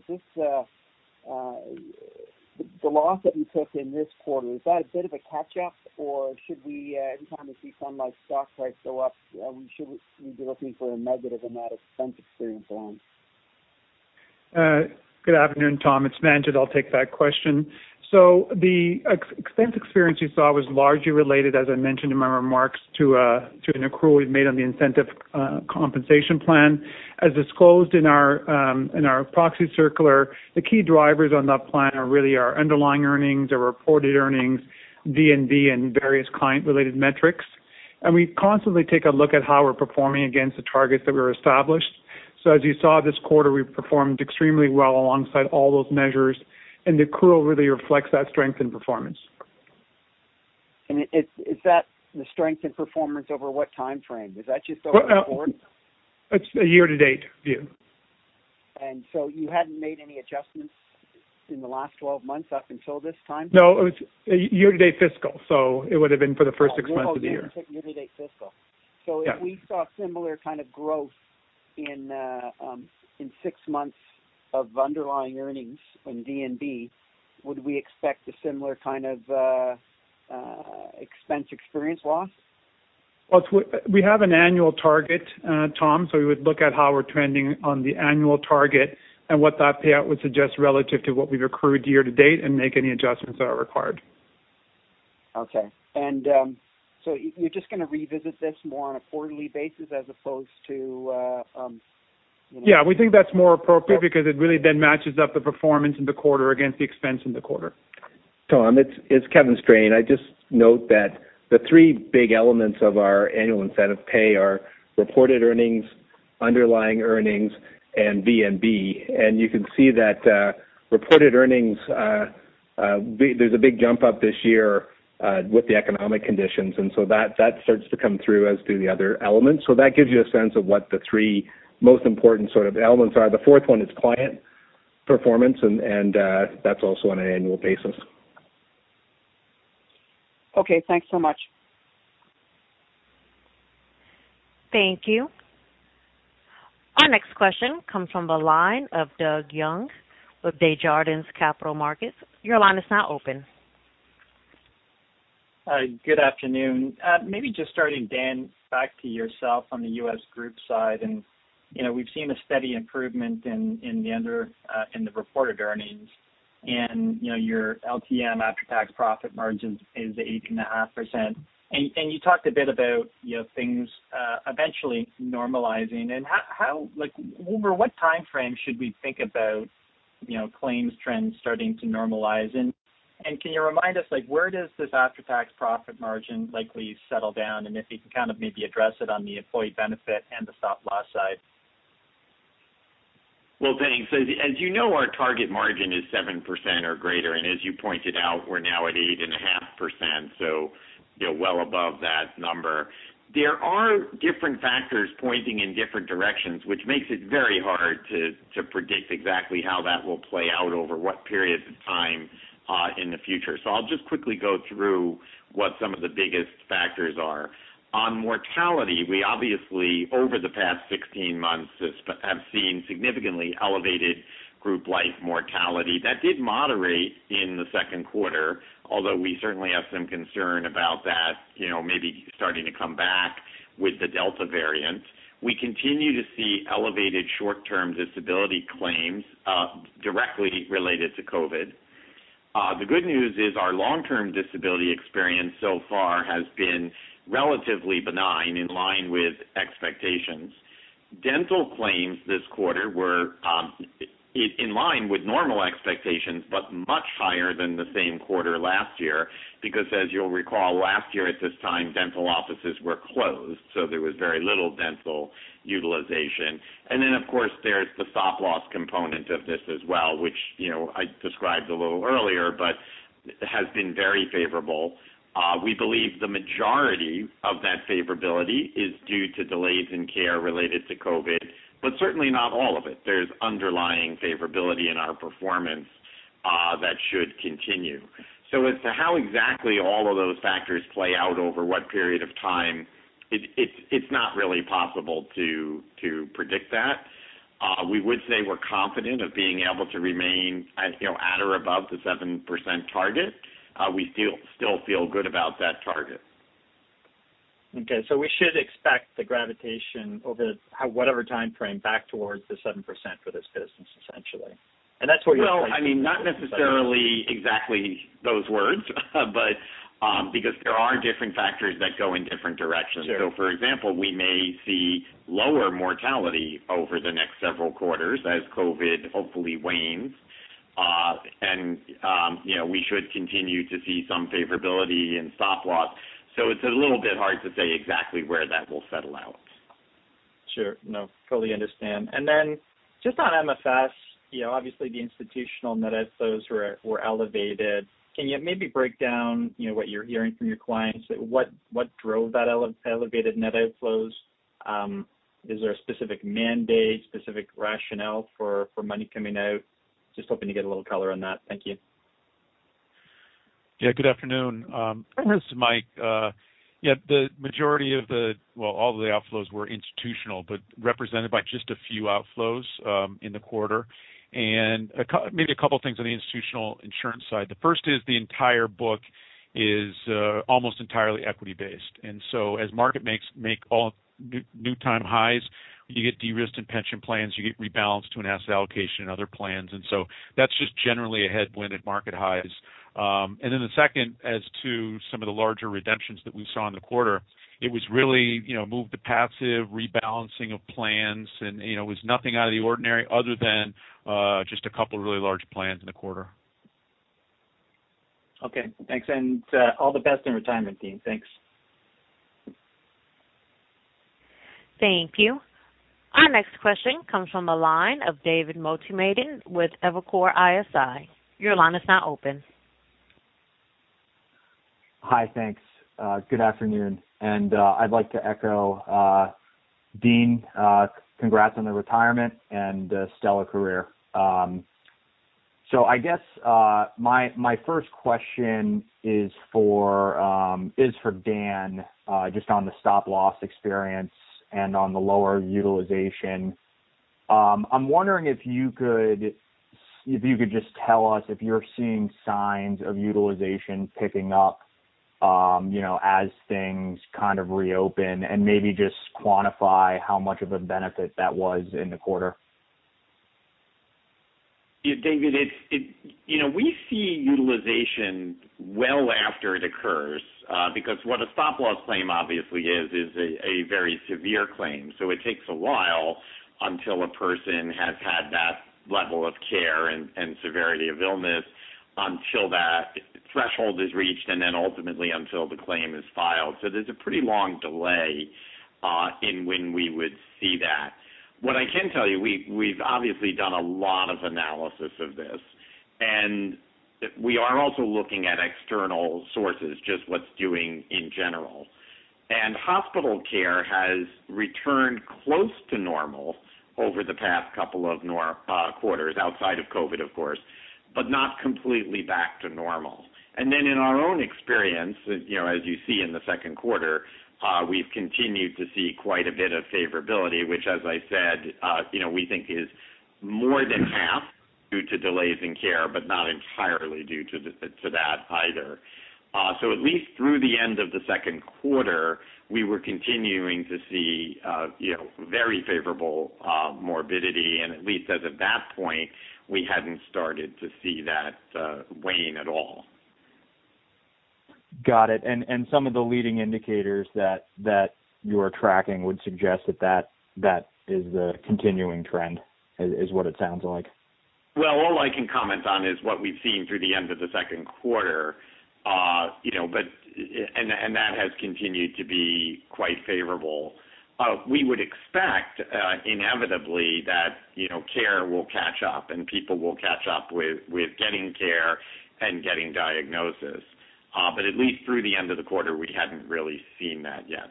The loss that you took in this quarter, is that a bit of a catch-up, or should we anytime we see Sun Life stock price go up, should we be looking for a negative in that expense experience line?
Good afternoon, Tom, it's Manjit. I'll take that question. The expense experience you saw was largely related, as I mentioned in my remarks, to an accrual we've made on the incentive compensation plan. As disclosed in our proxy circular, the key drivers on that plan are really our underlying earnings, our reported earnings, VNB, and various client-related metrics. We constantly take a look at how we're performing against the targets that were established. As you saw this quarter, we performed extremely well alongside all those measures, and the accrual really reflects that strength in performance.
Is that the strength in performance over what timeframe? Is that just over the quarter?
It's a year-to-date view.
You hadn't made any adjustments in the last 12 months up until this time?
No, it was year-to-date fiscal, so it would have been for the first six months of the year.
Oh, year-to-date fiscal.
Yeah.
If we saw similar kind of growth in six months of underlying earnings fromVNB, would we expect a similar kind of expense experience loss?
We have an annual target, Tom, so we would look at how we're trending on the annual target and what that payout would suggest relative to what we've accrued year to date and make any adjustments that are required.
Okay. You're just going to revisit this more on a quarterly basis.
Yeah, we think that's more appropriate because it really then matches up the performance in the quarter against the expense in the quarter.
Tom, it's Kevin Strain. I'd just note that the three big elements of our annual incentive pay are reported earnings, underlying earnings, and VNB. You can see that reported earnings, there's a big jump up this year with the economic conditions, and so that starts to come through, as do the other elements. That gives you a sense of what the three most important sort of elements are. The 4th one is client performance, and that's also on an annual basis.
Okay, thanks so much.
Thank you. Our next question comes from the line of Doug Young of Desjardins Capital Markets. Your line is now open.
Good afternoon. Maybe just starting, Dan, back to yourself on the US group side. We've seen a steady improvement in the reported earnings and your LTM after-tax profit margins is 8.5%. You talked a bit about things eventually normalizing. Over what timeframe should we think about claims trends starting to normalize? Can you remind us, where does this after-tax profit margin likely settle down? If you can kind of maybe address it on the employee benefit and the stop-loss side.
Well, thanks. As you know, our target margin is 7% or greater, and as you pointed out, we're now at 8.5%, so well above that number. There are different factors pointing in different directions, which makes it very hard to predict exactly how that will play out over what periods of time in the future. I'll just quickly go through what some of the biggest factors are. On mortality, we obviously, over the past 16 months, have seen significantly elevated group life mortality. That did moderate in the second quarter, although we certainly have some concern about that maybe starting to come back with the Delta variant. We continue to see elevated short-term disability claims directly related to COVID. The good news is our long-term disability experience so far has been relatively benign, in line with expectations. Dental claims this quarter were in line with normal expectations, but much higher than the same quarter last year, because as you'll recall, last year at this time, dental offices were closed, so there was very little dental utilization. Then, of course, there's the stop-loss component of this as well, which I described a little earlier, but has been very favorable. We believe the majority of that favorability is due to delays in care related to COVID, but certainly not all of it. There's underlying favorability in our performance that should continue. As to how exactly all of those factors play out over what period of time, it's not really possible to predict that. We would say we're confident of being able to remain at or above the 7% target. We still feel good about that target.
Okay. We should expect the gravitation over whatever timeframe back towards the 7% for this business, essentially.
Well, not necessarily exactly those words, but because there are different factors that go in different directions.
Sure.
For example, we may see lower mortality over the next several quarters as COVID hopefully wanes. We should continue to see some favorability in stop-loss, so it's a little bit hard to say exactly where that will settle out.
Sure. No, fully understand. Then just on MFS, obviously the institutional net outflows were elevated. Can you maybe break down what you're hearing from your clients? What drove that elevated net outflows? Is there a specific mandate, specific rationale for money coming out? Just hoping to get a little color on that. Thank you.
Good afternoon. This is Mike. The majority of the, well, all of the outflows were institutional, but represented by just a few outflows in the quarter. Maybe a couple things on the institutional insurance side. The first is the entire book is almost entirely equity-based, and so as market make all new time highs, you get de-risked in pension plans, you get rebalanced to an asset allocation in other plans, and so that's just generally a headwind at market highs. Then the second, as to some of the larger redemptions that we saw in the quarter, it was really move to passive rebalancing of plans, and it was nothing out of the ordinary other than just a couple of really large plans in the quarter.
Okay, thanks. All the best in retirement, Dean. Thanks.
Thank you. Our next question comes from the line of David Motemaden with Evercore ISI. Your line is now open.
Hi, thanks. Good afternoon. I'd like to echo Dean Connor. Congrats on the retirement and stellar career. I guess my first question is for Dan Fishbein, just on the stop-loss experience and on the lower utilization. I'm wondering if you could just tell us if you're seeing signs of utilization picking up as things kind of reopen, and maybe just quantify how much of a benefit that was in the quarter.
David, we see utilization well after it occurs because what a stop-loss claim obviously is a very severe claim. It takes a while until a person has had that level of care and severity of illness until that threshold is reached, and then ultimately until the claim is filed. There's a pretty long delay in when we would see that. What I can tell you, we've obviously done a lot of analysis of this, and we are also looking at external sources, just what's doing in general. Hospital care has returned close to normal over the past couple of quarters, outside of COVID, of course, but not completely back to normal. In our own experience, as you see in the second quarter, we've continued to see quite a bit of favorability, which, as I said, we think is more than half due to delays in care, but not entirely due to that either. At least through the end of the second quarter, we were continuing to see very favorable morbidity, and at least as of that point, we hadn't started to see that wane at all.
Got it. Some of the leading indicators that you are tracking would suggest that is the continuing trend, is what it sounds like.
All I can comment on is what we've seen through the end of the second quarter. That has continued to be quite favorable. We would expect inevitably that care will catch up and people will catch up with getting care and getting diagnosis. At least through the end of the quarter, we hadn't really seen that yet.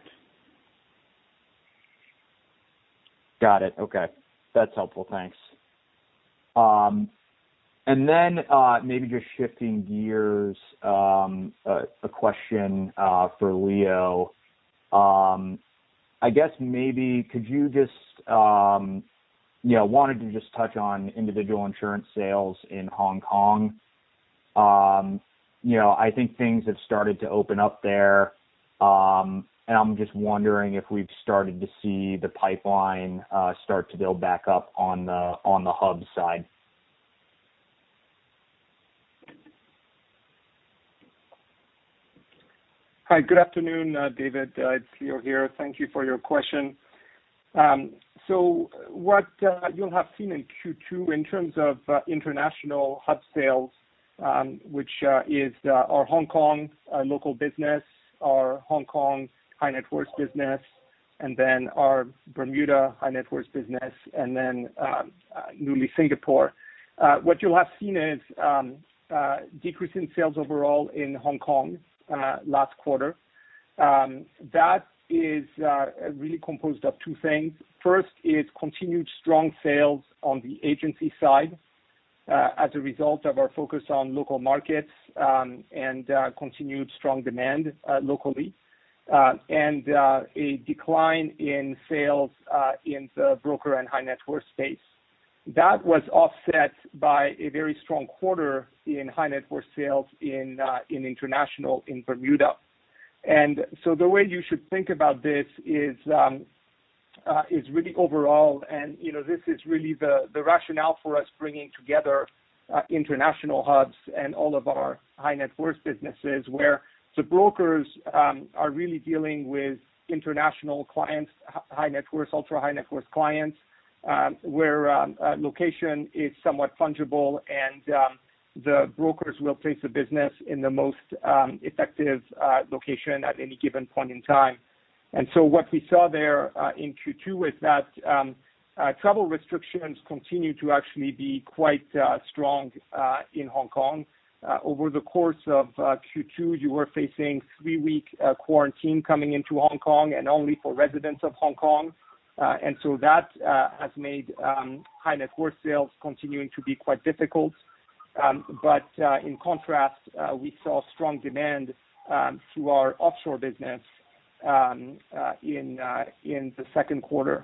Got it. Okay. That's helpful. Thanks. Maybe just shifting gears, a question for Leo. I guess maybe could you just touch on individual insurance sales in Hong Kong? I think things have started to open up there, and I'm just wondering if we've started to see the pipeline start to build back up on the Hub side.
Hi, good afternoon, David. It's Leo here. Thank you for your question. What you'll have seen in Q2 in terms of international hub sales, which is our Hong Kong local business, our Hong Kong high net worth business, and then our Bermuda high net worth business, and then newly Singapore. What you'll have seen is decrease in sales overall in Hong Kong last quarter. That is really composed of two things. First is continued strong sales on the agency side as a result of our focus on local markets and continued strong demand locally, and a decline in sales in the broker and high net worth space. That was offset by a very strong quarter in high net worth sales in international in Bermuda. The way you should think about this is really overall, and this is really the rationale for us bringing together international hubs and all of our high net worth businesses, where the brokers are really dealing with international clients, high net worth, ultra high net worth clients, where location is somewhat fungible and the brokers will place the business in the most effective location at any given point in time. What we saw there in Q2 was that travel restrictions continued to actually be quite strong in Hong Kong. Over the course of Q2, you were facing three-week quarantine coming into Hong Kong and only for residents of Hong Kong. That has made high net worth sales continuing to be quite difficult. In contrast, we saw strong demand through our offshore business in the second quarter.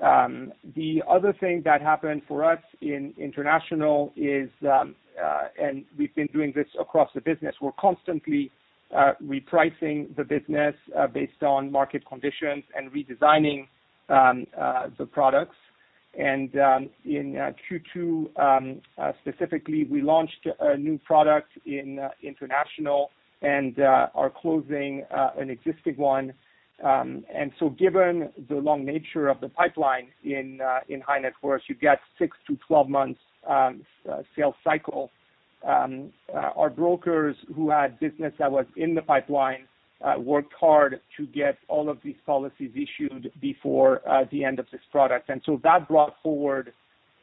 The other thing that happened for us in international is, and we've been doing this across the business, we're constantly repricing the business based on market conditions and redesigning the products. In Q2, specifically, we launched a new product in international and are closing an existing one. Given the long nature of the pipeline in high net worth, you get six to 12 months sales cycle. Our brokers who had business that was in the pipeline worked hard to get all of these policies issued before the end of this product. That brought forward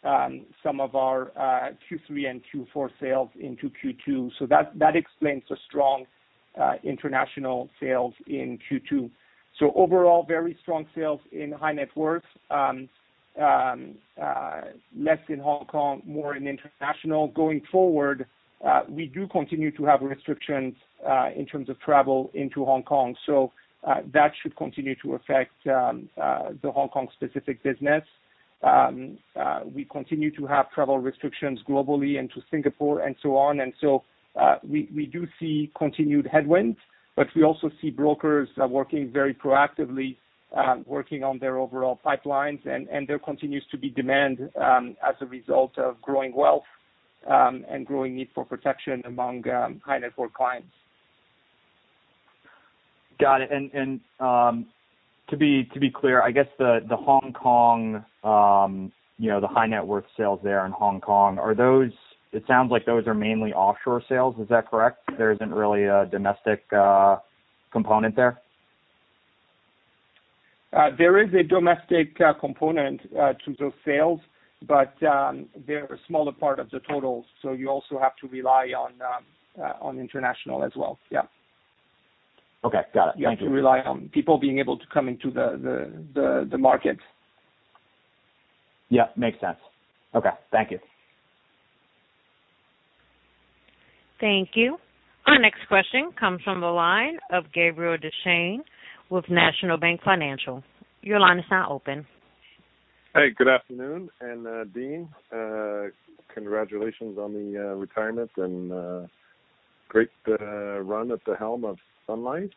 some of our Q3 and Q4 sales into Q2. That explains the strong international sales in Q2. Overall, very strong sales in high net worth. Less in Hong Kong, more in international. Going forward, we do continue to have restrictions in terms of travel into Hong Kong. That should continue to affect the Hong Kong specific business. We continue to have travel restrictions globally into Singapore and so on. We do see continued headwinds, but we also see brokers working very proactively, working on their overall pipelines, and there continues to be demand as a result of growing wealth and growing need for protection among high net worth clients.
Got it. To be clear, I guess the Hong Kong, the high net worth sales there in Hong Kong, it sounds like those are mainly offshore sales. Is that correct? There isn't really a domestic component there?
There is a domestic component to those sales. They're a smaller part of the total. You also have to rely on international as well. Yeah.
Okay. Got it. Thank you.
You have to rely on people being able to come into the market.
Yeah, makes sense. Okay. Thank you.
Thank you. Our next question comes from the line of Gabriel Dechaine with National Bank Financial. Your line is now open.
Good afternoon. Dean, congratulations on the retirement and great run at the helm of Sun Life.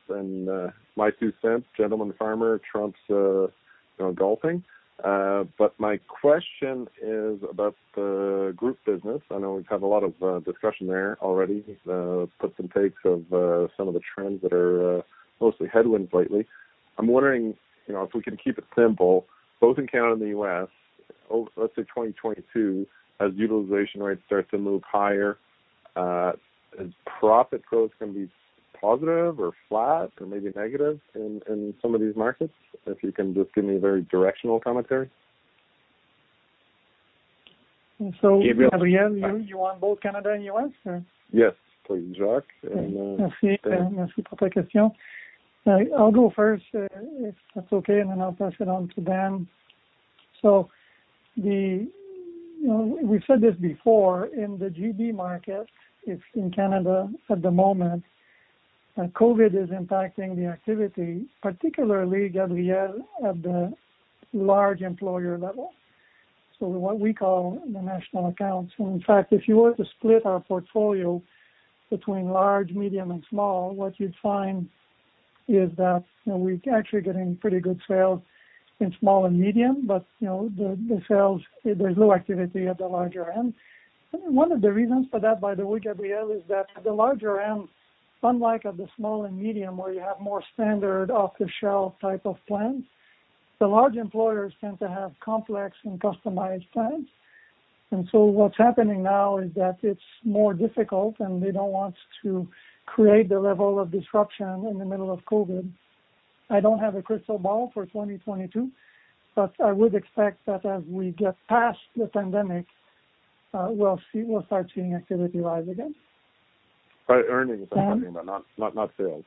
My two cents, gentleman farmer trumps golfing. My question is about the group business. I know we've had a lot of discussion there already, puts and takes of some of the trends that are mostly headwinds lately. I'm wondering if we can keep it simple, both in Canada and the U.S., let's say 2022, as utilization rates start to move higher, is profit growth going to be positive or flat or maybe negative in some of these markets? If you can just give me very directional commentary.
Gabriel, you want both Canada and U.S. or?
Yes, please. Jacques and Dean.
I'll go first if that's okay. Then I'll pass it on to Dan. We've said this before, in the GB market, it's in Canada at the moment, COVID is impacting the activity, particularly Gabriel, at the large employer level. What we call the national accounts. In fact, if you were to split our portfolio between large, medium, and small, what you'd find is that we're actually getting pretty good sales in small and medium, the sales, there's low activity at the larger end. One of the reasons for that, by the way, Gabriel, is that the larger end, unlike at the small and medium, where you have more standard off-the-shelf type of plans, the large employers tend to have complex and customized plans. What's happening now is that it's more difficult, and they don't want to create the level of disruption in the middle of COVID. I don't have a crystal ball for 2022, but I would expect that as we get past the pandemic, we'll start seeing activity rise again.
By earnings, I'm talking about not sales.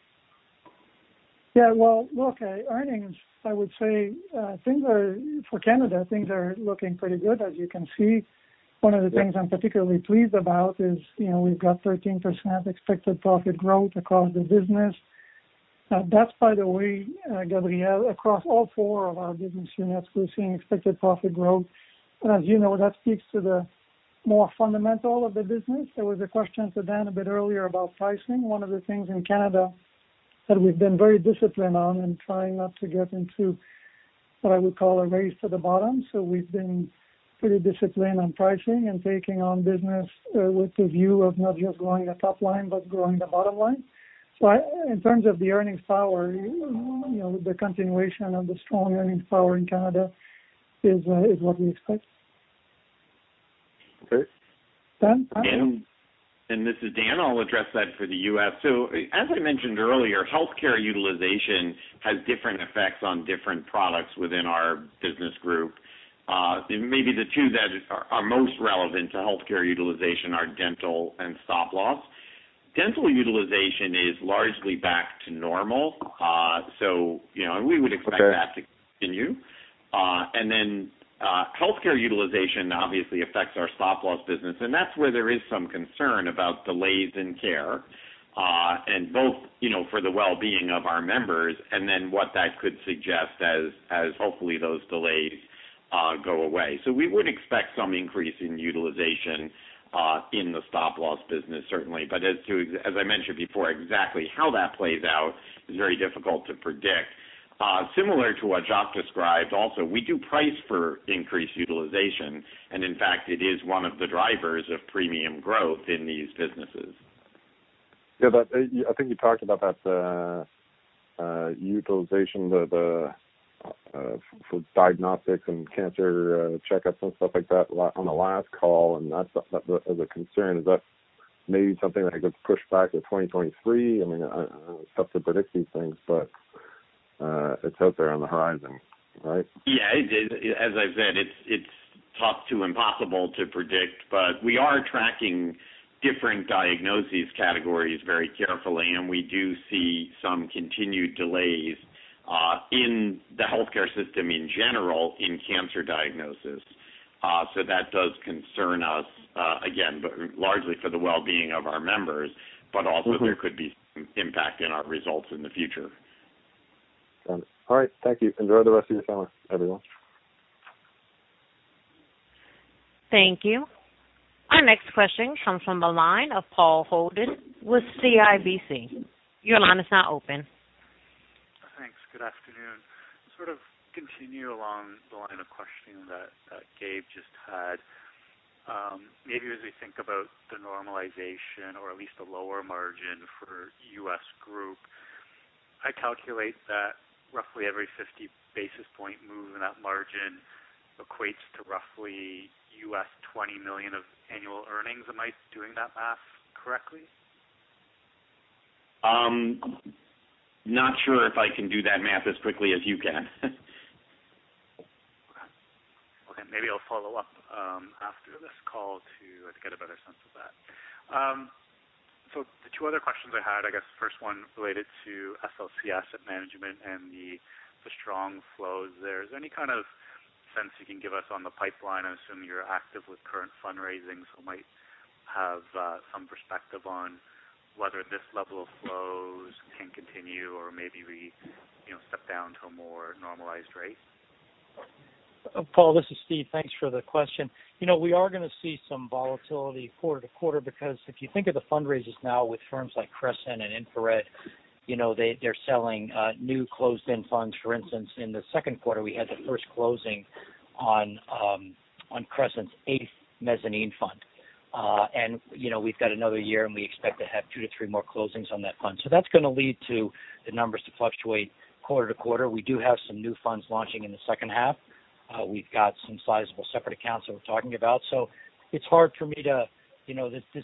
Well, look, earnings, I would say for Canada, things are looking pretty good, as you can see. One of the things I'm particularly pleased about is we've got 13% expected profit growth across the business. That's by the way, Gabriel, across all four of our business units, we're seeing expected profit growth. As you know, that speaks to the more fundamental of the business. There was a question to Dan a bit earlier about pricing. One of the things in Canada that we've been very disciplined on in trying not to get into what I would call a race to the bottom. We've been pretty disciplined on pricing and taking on business with the view of not just growing the top line but growing the bottom line. In terms of the earnings power, the continuation of the strong earnings power in Canada is what we expect.
Okay.
Dan?
This is Dan, I'll address that for the U.S. As I mentioned earlier, healthcare utilization has different effects on different products within our business group. Maybe the two that are most relevant to healthcare utilization are dental and stop-loss. Dental utilization is largely back to normal. We would expect that to continue. Healthcare utilization obviously affects our stop-loss business, and that's where there is some concern about delays in care, both for the well-being of our members and then what that could suggest as hopefully those delays go away. We would expect some increase in utilization in the stop-loss business, certainly. As I mentioned before, exactly how that plays out is very difficult to predict. Similar to what Jacques described also, we do price for increased utilization, and in fact, it is one of the drivers of premium growth in these businesses.
Yeah, I think you talked about that utilization for diagnostics and cancer checkups and stuff like that on the last call, and that's a concern. Is that maybe something that could push back to 2023? I mean, it's tough to predict these things, but it's out there on the horizon, right?
Yeah, as I've said, it's tough to impossible to predict, but we are tracking different diagnoses categories very carefully, and we do see some continued delays in the healthcare system in general in cancer diagnosis. That does concern us again, but largely for the well-being of our members, but also there could be some impact in our results in the future.
All right. Thank you. Enjoy the rest of your summer, everyone.
Thank you. Our next question comes from the line of Paul Holden with CIBC. Your line is now open.
Thanks. Good afternoon. Sort of continue along the line of questioning that Gabe just had. Maybe as we think about the normalization or at least a lower margin for US group, I calculate that roughly every 50 basis point move in that margin equates to roughly $20 million of annual earnings. Am I doing that math correctly?
I'm not sure if I can do that math as quickly as you can.
Okay. Maybe I'll follow up after this call to get a better sense of that. The two other questions I had, I guess first one related to SLC Management and the strong flows there. Is there any kind of sense you can give us on the pipeline? I assume you're active with current fundraising, so might have some perspective on whether this level of flows can continue or maybe we step down to a more normalized rate.
Paul, this is Stephen. Thanks for the question. We are going to see some volatility quarter to quarter because if you think of the fundraisers now with firms like Crescent and InfraRed, they're selling new closed-end funds. For instance, in the second quarter, we had the first closing on Crescent's eighth mezzanine fund. We've got another year, and we expect to have two to three more closings on that fund. That's going to lead to the numbers to fluctuate quarter to quarter. We do have some new funds launching in the second half. We've got some sizable separate accounts that we're talking about. This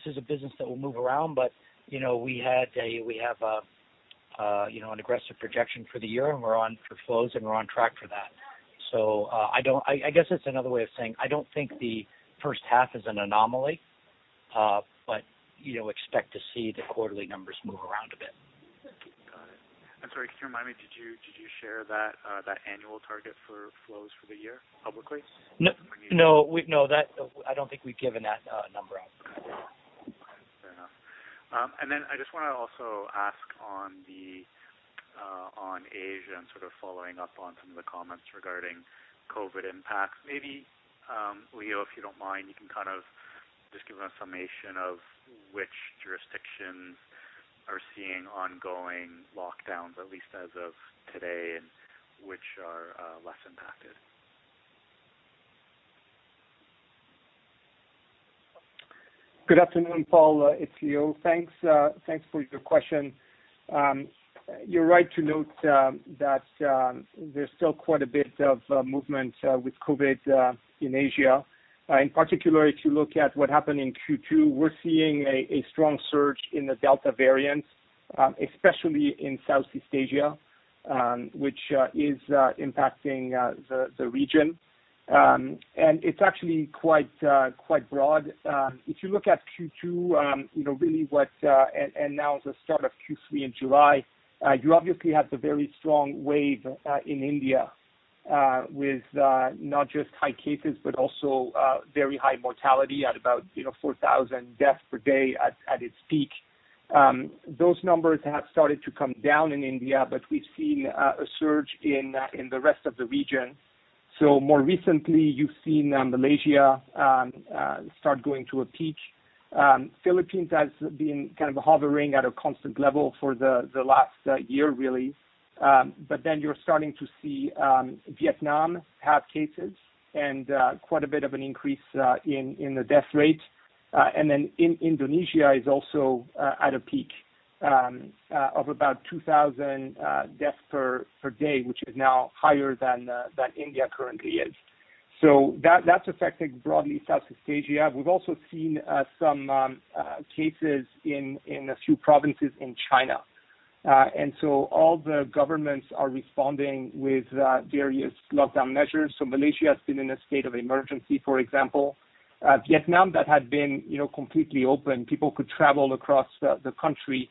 is a business that will move around, but we have an aggressive projection for the year, and we're on for flows, and we're on track for that. I guess it's another way of saying, I don't think the first half is an anomaly, but expect to see the quarterly numbers move around a bit.
Got it. I'm sorry, could you remind me, did you share that annual target for flows for the year publicly?
No. I don't think we've given that number out.
Okay. Fair enough. I just want to also ask on Asia and sort of following up on some of the comments regarding COVID impacts. Maybe, Leo, if you don't mind, you can just give us a summation of which jurisdictions are seeing ongoing lockdowns, at least as of today, and which are less impacted.
Good afternoon, Paul. It's Leo. Thanks for your question. You're right to note that there's still quite a bit of movement with COVID in Asia. In particular, if you look at what happened in Q2, we're seeing a strong surge in the Delta variant, especially in Southeast Asia, which is impacting the region. It's actually quite broad. If you look at Q2, and now the start of Q3 in July, you obviously have the very strong wave in India with not just high cases, but also very high mortality at about 4,000 deaths per day at its peak. Those numbers have started to come down in India, we've seen a surge in the rest of the region. More recently, you've seen Malaysia start going to a peak. Philippines has been kind of hovering at a constant level for the last year, really. You're starting to see Vietnam have cases and quite a bit of an increase in the death rate. Indonesia is also at a peak of about 2,000 deaths per day, which is now higher than India currently is. That's affecting broadly Southeast Asia. We've also seen some cases in a few provinces in China. All the governments are responding with various lockdown measures. Malaysia has been in a state of emergency, for example. Vietnam, that had been completely open, people could travel across the country,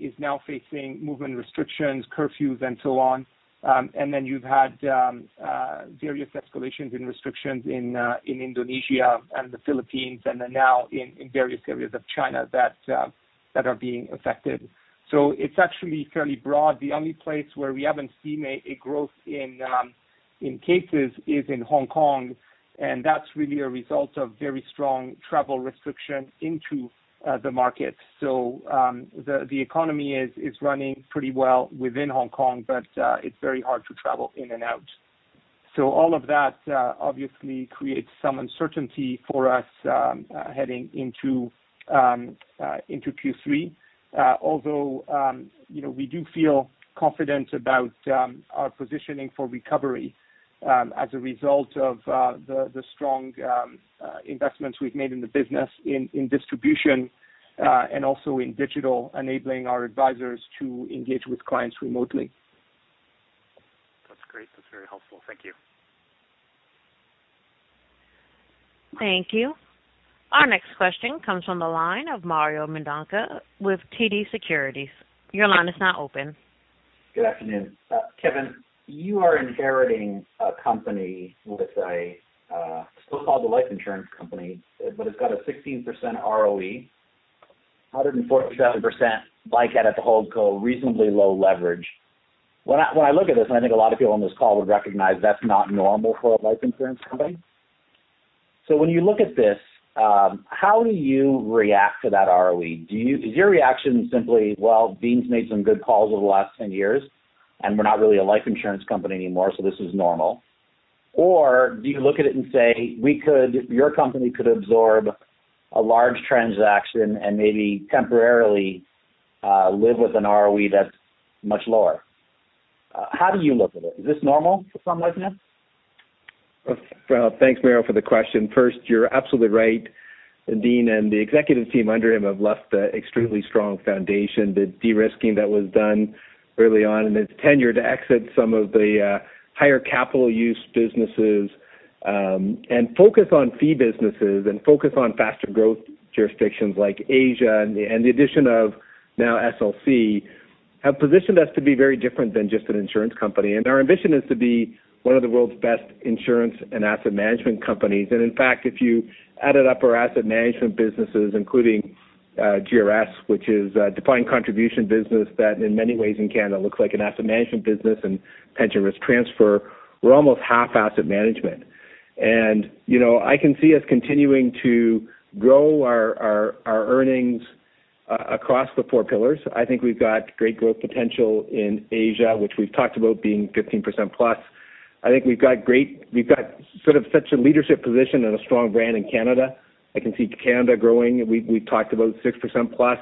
is now facing movement restrictions, curfews, and so on. You've had various escalations in restrictions in Indonesia and the Philippines, and then now in various areas of China that are being affected. It's actually fairly broad. The only place where we haven't seen a growth in cases is in Hong Kong. That's really a result of very strong travel restriction into the market. The economy is running pretty well within Hong Kong. It's very hard to travel in and out. All of that obviously creates some uncertainty for us heading into Q3. Although we do feel confident about our positioning for recovery as a result of the strong investments we've made in the business in distribution and also in digital, enabling our advisors to engage with clients remotely.
That's great. That's very helpful. Thank you.
Thank you. Our next question comes from the line of Mario Mendonca with TD Securities. Your line is now open.
Good afternoon. Kevin, you are inheriting a company with a so-called life insurance company, but it's got a 16% ROE, 147% LICAT to Hold co, reasonably low leverage. When I look at this, and I think a lot of people on this call would recognize that's not normal for a life insurance company. When you look at this, how do you react to that ROE? Is your reaction simply, well, Dean's made some good calls over the last 10 years, we're not really a life insurance company anymore, this is normal? Do you look at it and say, your company could absorb a large transaction and maybe temporarily live with an ROE that's much lower? How do you look at it? Is this normal for Sun Life now?
Well, thanks, Mario, for the question. First, you're absolutely right. Dean and the executive team under him have left a extremely strong foundation. The de-risking that was done early on in his tenure to exit some of the higher capital use businesses, and focus on fee businesses and focus on faster growth jurisdictions like Asia, and the addition of now SLC, have positioned us to be very different than just an insurance company. Our ambition is to be one of the world's best insurance and asset management companies. In fact, if you added up our asset management businesses, including GRS, which is a defined contribution business that in many ways in Canada looks like an asset management business and pension risk transfer, we're almost half asset management. I can see us continuing to grow our earnings across the four pillars. I think we've got great growth potential in Asia, which we've talked about being 15%+. I think we've got such a leadership position and a strong brand in Canada. I can see Canada growing. We've talked about 6%+.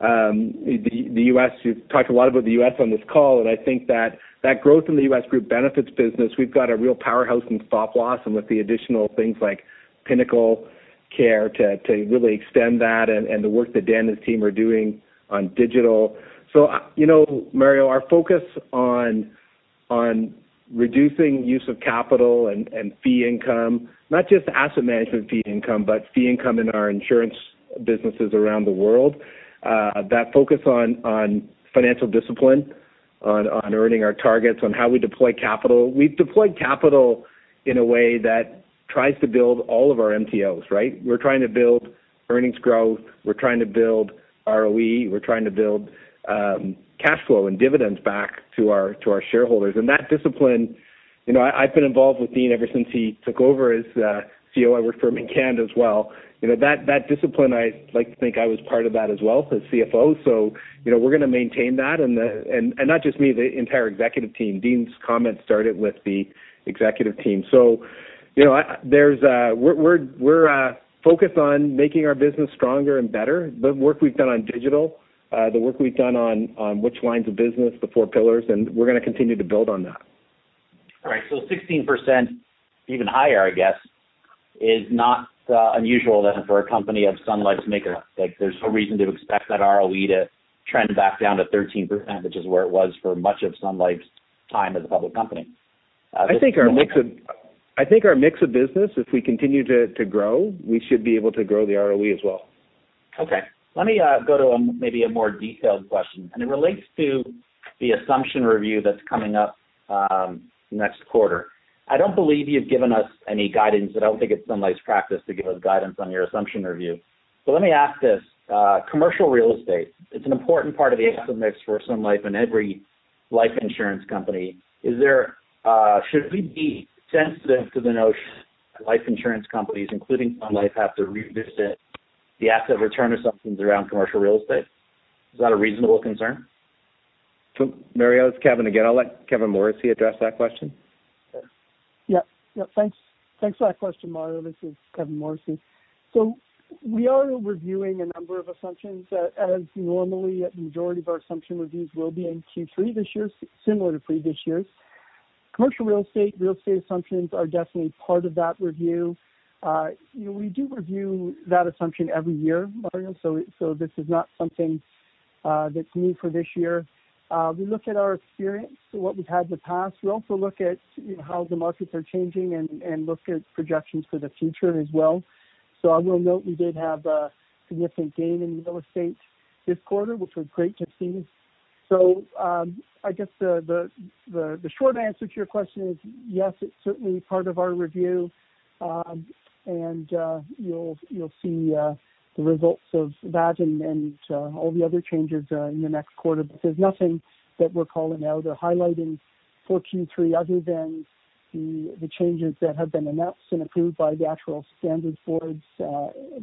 The U.S., we've talked a lot about the U.S. on this call, and I think that that growth in the Sun Life U.S. Group Benefits business. We've got a real powerhouse in stop-loss, and with the additional things like PinnacleCare to really extend that and the work that Dan and his team are doing on digital. Mario, our focus on reducing use of capital and fee income, not just asset management fee income, but fee income in our insurance businesses around the world. That focus on financial discipline, on earning our targets, on how we deploy capital. We've deployed capital in a way that tries to build all of our MTOs, right? We're trying to build earnings growth. We're trying to build ROE. We're trying to build cash flow and dividends back to our shareholders. That discipline, I've been involved with Dean ever since he took over as CEO. I worked for him in Canada as well. That discipline, I like to think I was part of that as well as CFO. We're going to maintain that, and not just me, the entire executive team. Dean's comment started with the executive team. We're focused on making our business stronger and better. The work we've done on digital, the work we've done on which lines of business, the four pillars, and we're going to continue to build on that.
All right. 16%, even higher, I guess, is not unusual, then, for a company of Sun Life's makeup. There's no reason to expect that ROE to trend back down to 13%, which is where it was for much of Sun Life's time as a public company.
I think our mix of business, if we continue to grow, we should be able to grow the ROE as well.
Okay. Let me go to maybe a more detailed question. It relates to the assumption review that's coming up next quarter. I don't believe you've given us any guidance. I don't think it's Sun Life's practice to give us guidance on your assumption review. Let me ask this. Commercial real estate, it's an important part of the asset mix for Sun Life and every life insurance company. Should we be sensitive to the notion that life insurance companies, including Sun Life, have to revisit the asset return assumptions around commercial real estate? Is that a reasonable concern?
Mario, it's Kevin again. I'll let Kevin Morrissey address that question.
Thanks for that question, Mario. This is Kevin Morrissey. We are reviewing a number of assumptions, as normally a majority of our assumption reviews will be in Q3 this year, similar to previous years. Commercial real estate, real estate assumptions are definitely part of that review. We do review that assumption every year, Mario, this is not something that's new for this year. We look at our experience, what we've had in the past. We also look at how the markets are changing and look at projections for the future as well. I will note we did have a significant gain in real estate this quarter, which was great to see. I guess the short answer to your question is yes, it's certainly part of our review. You'll see the results of that and all the other changes in the next quarter. There's nothing that we're calling out or highlighting for Q3 other than the changes that have been announced and approved by the actuarial standard setters.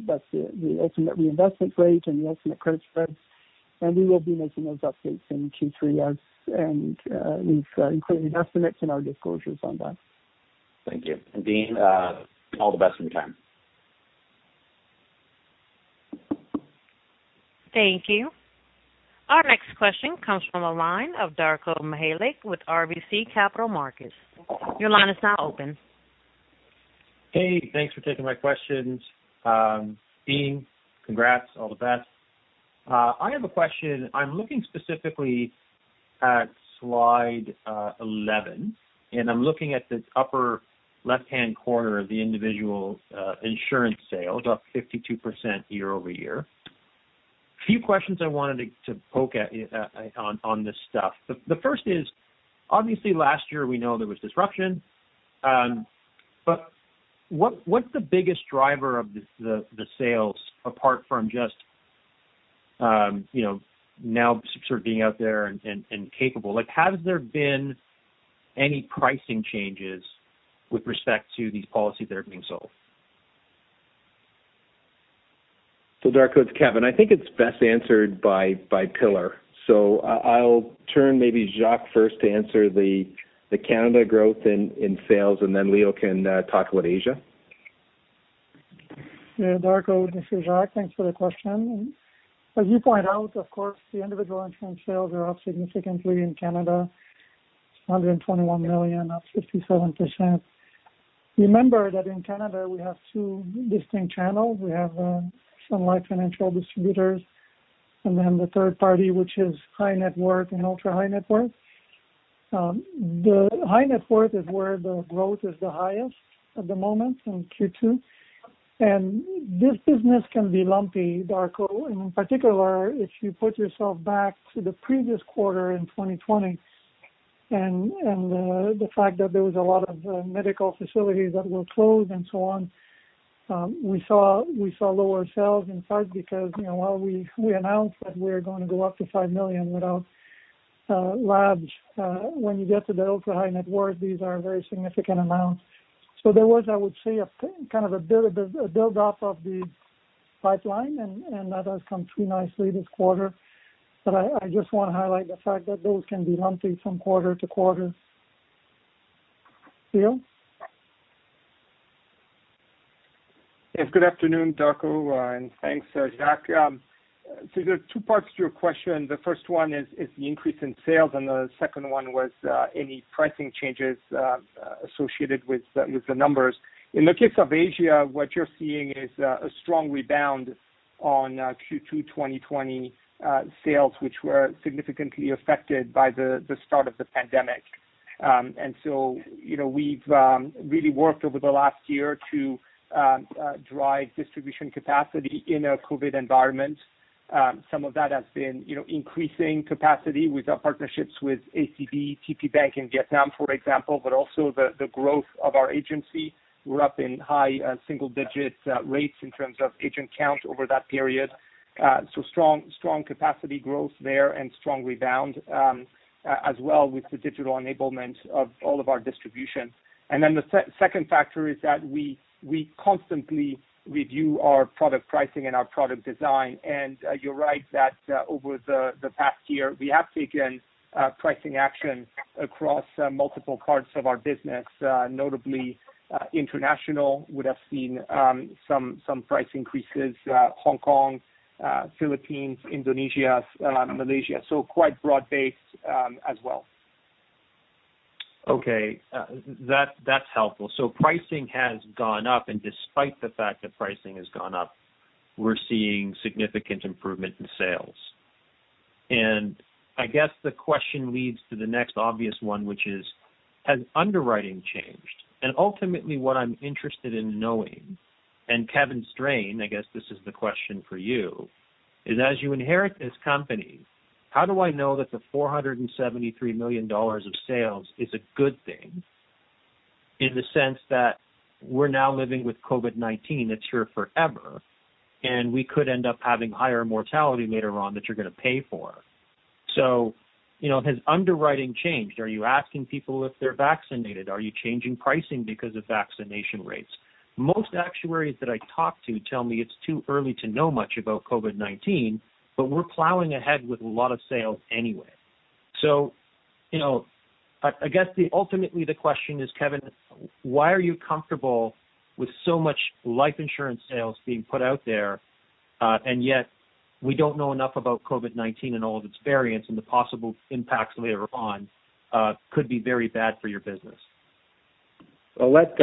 That's the ultimate reinvestment rate and the ultimate credit spreads, and we will be making those updates in Q3 as we've included estimates in our disclosures on that.
Thank you. Dean, all the best from the team.
Thank you. Our next question comes from the line of Darko Mihelic with RBC Capital Markets. Your line is now open.
Hey, thanks for taking my questions. Dean, congrats. All the best. I'm looking specifically at slide 11, and I'm looking at this upper left-hand corner of the individual insurance sales, up 52% YoY. A few questions I wanted to poke at on this stuff. The first is, obviously last year we know there was disruption. What's the biggest driver of the sales apart from just now sort of being out there and capable? Has there been any pricing changes with respect to these policies that are being sold?
Darko, it's Kevin. I think it's best answered by pillar. I'll turn maybe Jacques first to answer the Canada growth in sales, and then Leo can talk about Asia.
Yeah, Darko, this is Jacques. Thanks for the question. As you point out, of course, the individual insurance sales are up significantly in Canada, 121 million, up 57%. Remember that in Canada, we have two distinct channels. We have Sun Life Financial Distributors, and then the third party, which is high net worth and ultra-high net worth. The high net worth is where the growth is the highest at the moment in Q2. This business can be lumpy, Darko. In particular, if you put yourself back to the previous quarter in 2020 and the fact that there was a lot of medical facilities that were closed and so on, we saw lower sales in part because while we announced that we were going to go after 5 million without labs, when you get to the ultra-high net worth, these are very significant amounts. There was, I would say, a kind of a build-up of the pipeline, and that has come through nicely this quarter. I just want to highlight the fact that those can be lumpy from quarter to quarter. Leo?
Yes. Good afternoon, Darko, and thanks, Jacques. There are two parts to your question. The first one is the increase in sales, and the second one was any pricing changes associated with the numbers. In the case of Asia, what you're seeing is a strong rebound on Q2 2020 sales, which were significantly affected by the start of the pandemic. We've really worked over the last year to drive distribution capacity in a COVID environment. Some of that has been increasing capacity with our partnerships with ACB, TPBank in Vietnam, for example, but also the growth of our agency. We're up in high single-digit rates in terms of agent count over that period. Strong capacity growth there and strong rebound as well with the digital enablement of all of our distribution. The second factor is that we constantly review our product pricing and our product design. You're right, that over the past year, we have taken pricing action across multiple parts of our business. Notably, international would have seen some price increases. Hong Kong, Philippines, Indonesia, Malaysia. Quite broad-based as well.
Okay. That's helpful. Pricing has gone up, and despite the fact that pricing has gone up, we're seeing significant improvement in sales. I guess the question leads to the next obvious one, which is, has underwriting changed? Ultimately, what I'm interested in knowing, and Kevin Strain, I guess this is the question for you, is as you inherit this company, how do I know that the 473 million dollars of sales is a good thing in the sense that we're now living with COVID-19 that's here forever, and we could end up having higher mortality later on that you're going to pay for. Has underwriting changed? Are you asking people if they're vaccinated? Are you changing pricing because of vaccination rates? Most actuaries that I talk to tell me it's too early to know much about COVID-19, but we're plowing ahead with a lot of sales anyway. I guess ultimately the question is, Kevin, why are you comfortable with so much life insurance sales being put out there, and yet we don't know enough about COVID-19 and all of its variants and the possible impacts later on could be very bad for your business?
I'll let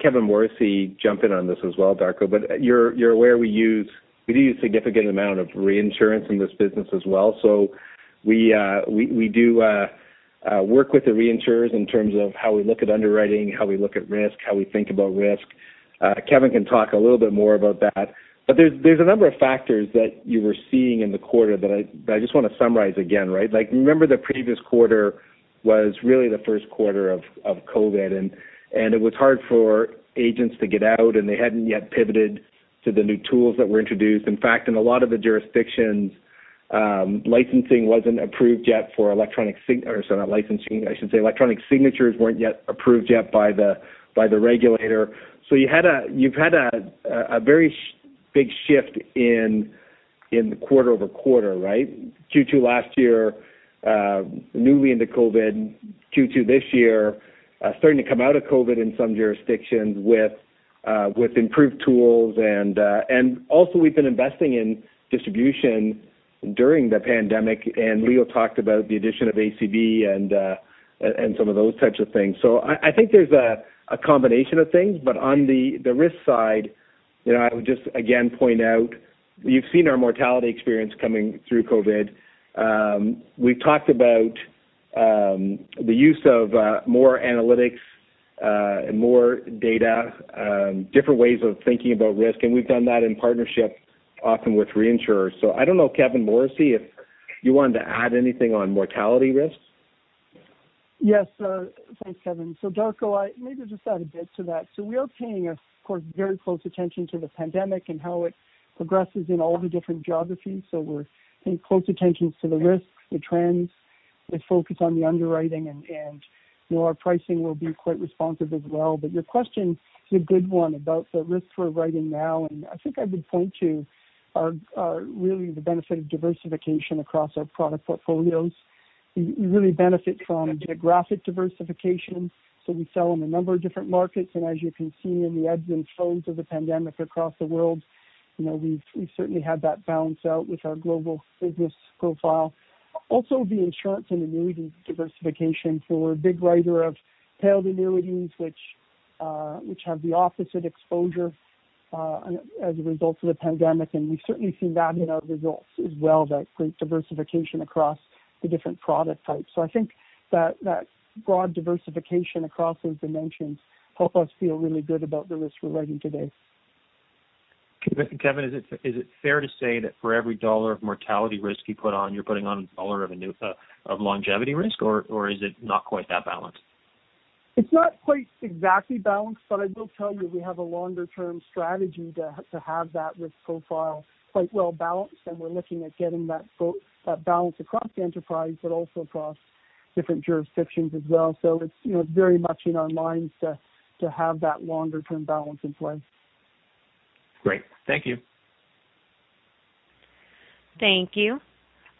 Kevin Morrissey jump in on this as well, Darko. You're aware we do use a significant amount of reinsurance in this business as well. We do work with the reinsurers in terms of how we look at underwriting, how we look at risk, how we think about risk. Kevin can talk a little bit more about that. There's a number of factors that you were seeing in the quarter that I just want to summarize again. Remember the previous quarter was really the first quarter of COVID, and it was hard for agents to get out, and they hadn't yet pivoted to the new tools that were introduced. In fact, in a lot of the jurisdictions, licensing wasn't approved yet. Sorry, not licensing. I should say electronic signatures weren't yet approved yet by the regulator. You've had a very big shift in the QoQ, right? Q2 last year, newly into COVID. Q2 this year, starting to come out of COVID in some jurisdictions with improved tools. We've been investing in distribution during the pandemic, and Leo talked about the addition of ACB and some of those types of things. I think there's a combination of things. On the risk side, I would just again point out you've seen our mortality experience coming through COVID. We've talked about the use of more analytics and more data, different ways of thinking about risk, and we've done that in partnership often with reinsurers. I don't know, Kevin Morrissey, if you wanted to add anything on mortality risks.
Yes. Thanks, Kevin. Darko, maybe I'll just add a bit to that. We are paying, of course, very close attention to the pandemic and how it progresses in all the different geographies. We're paying close attention to the risks, the trends. We focus on the underwriting, and our pricing will be quite responsive as well. Your question is a good one about the risks we're writing now, and I think I would point to really the benefit of diversification across our product portfolios. We really benefit from geographic diversification. We sell in a number of different markets, and as you can see in the ebbs and flows of the pandemic across the world, we've certainly had that balance out with our global business profile. Also, the insurance and annuities diversification, so we're a big writer of payout annuities, which have the opposite exposure as a result of the pandemic, and we certainly see that in our results as well, that great diversification across the different product types. I think that broad diversification across those dimensions help us feel really good about the risks we're writing today.
Kevin, is it fair to say that for every CAD 1 of mortality risk you put on, you're putting on CAD 1 of longevity risk, or is it not quite that balanced?
It's not quite exactly balanced, but I will tell you we have a longer-term strategy to have that risk profile quite well-balanced, and we're looking at getting that balance across the enterprise, but also across different jurisdictions as well. It's very much in our minds to have that longer-term balance in play.
Great. Thank you.
Thank you.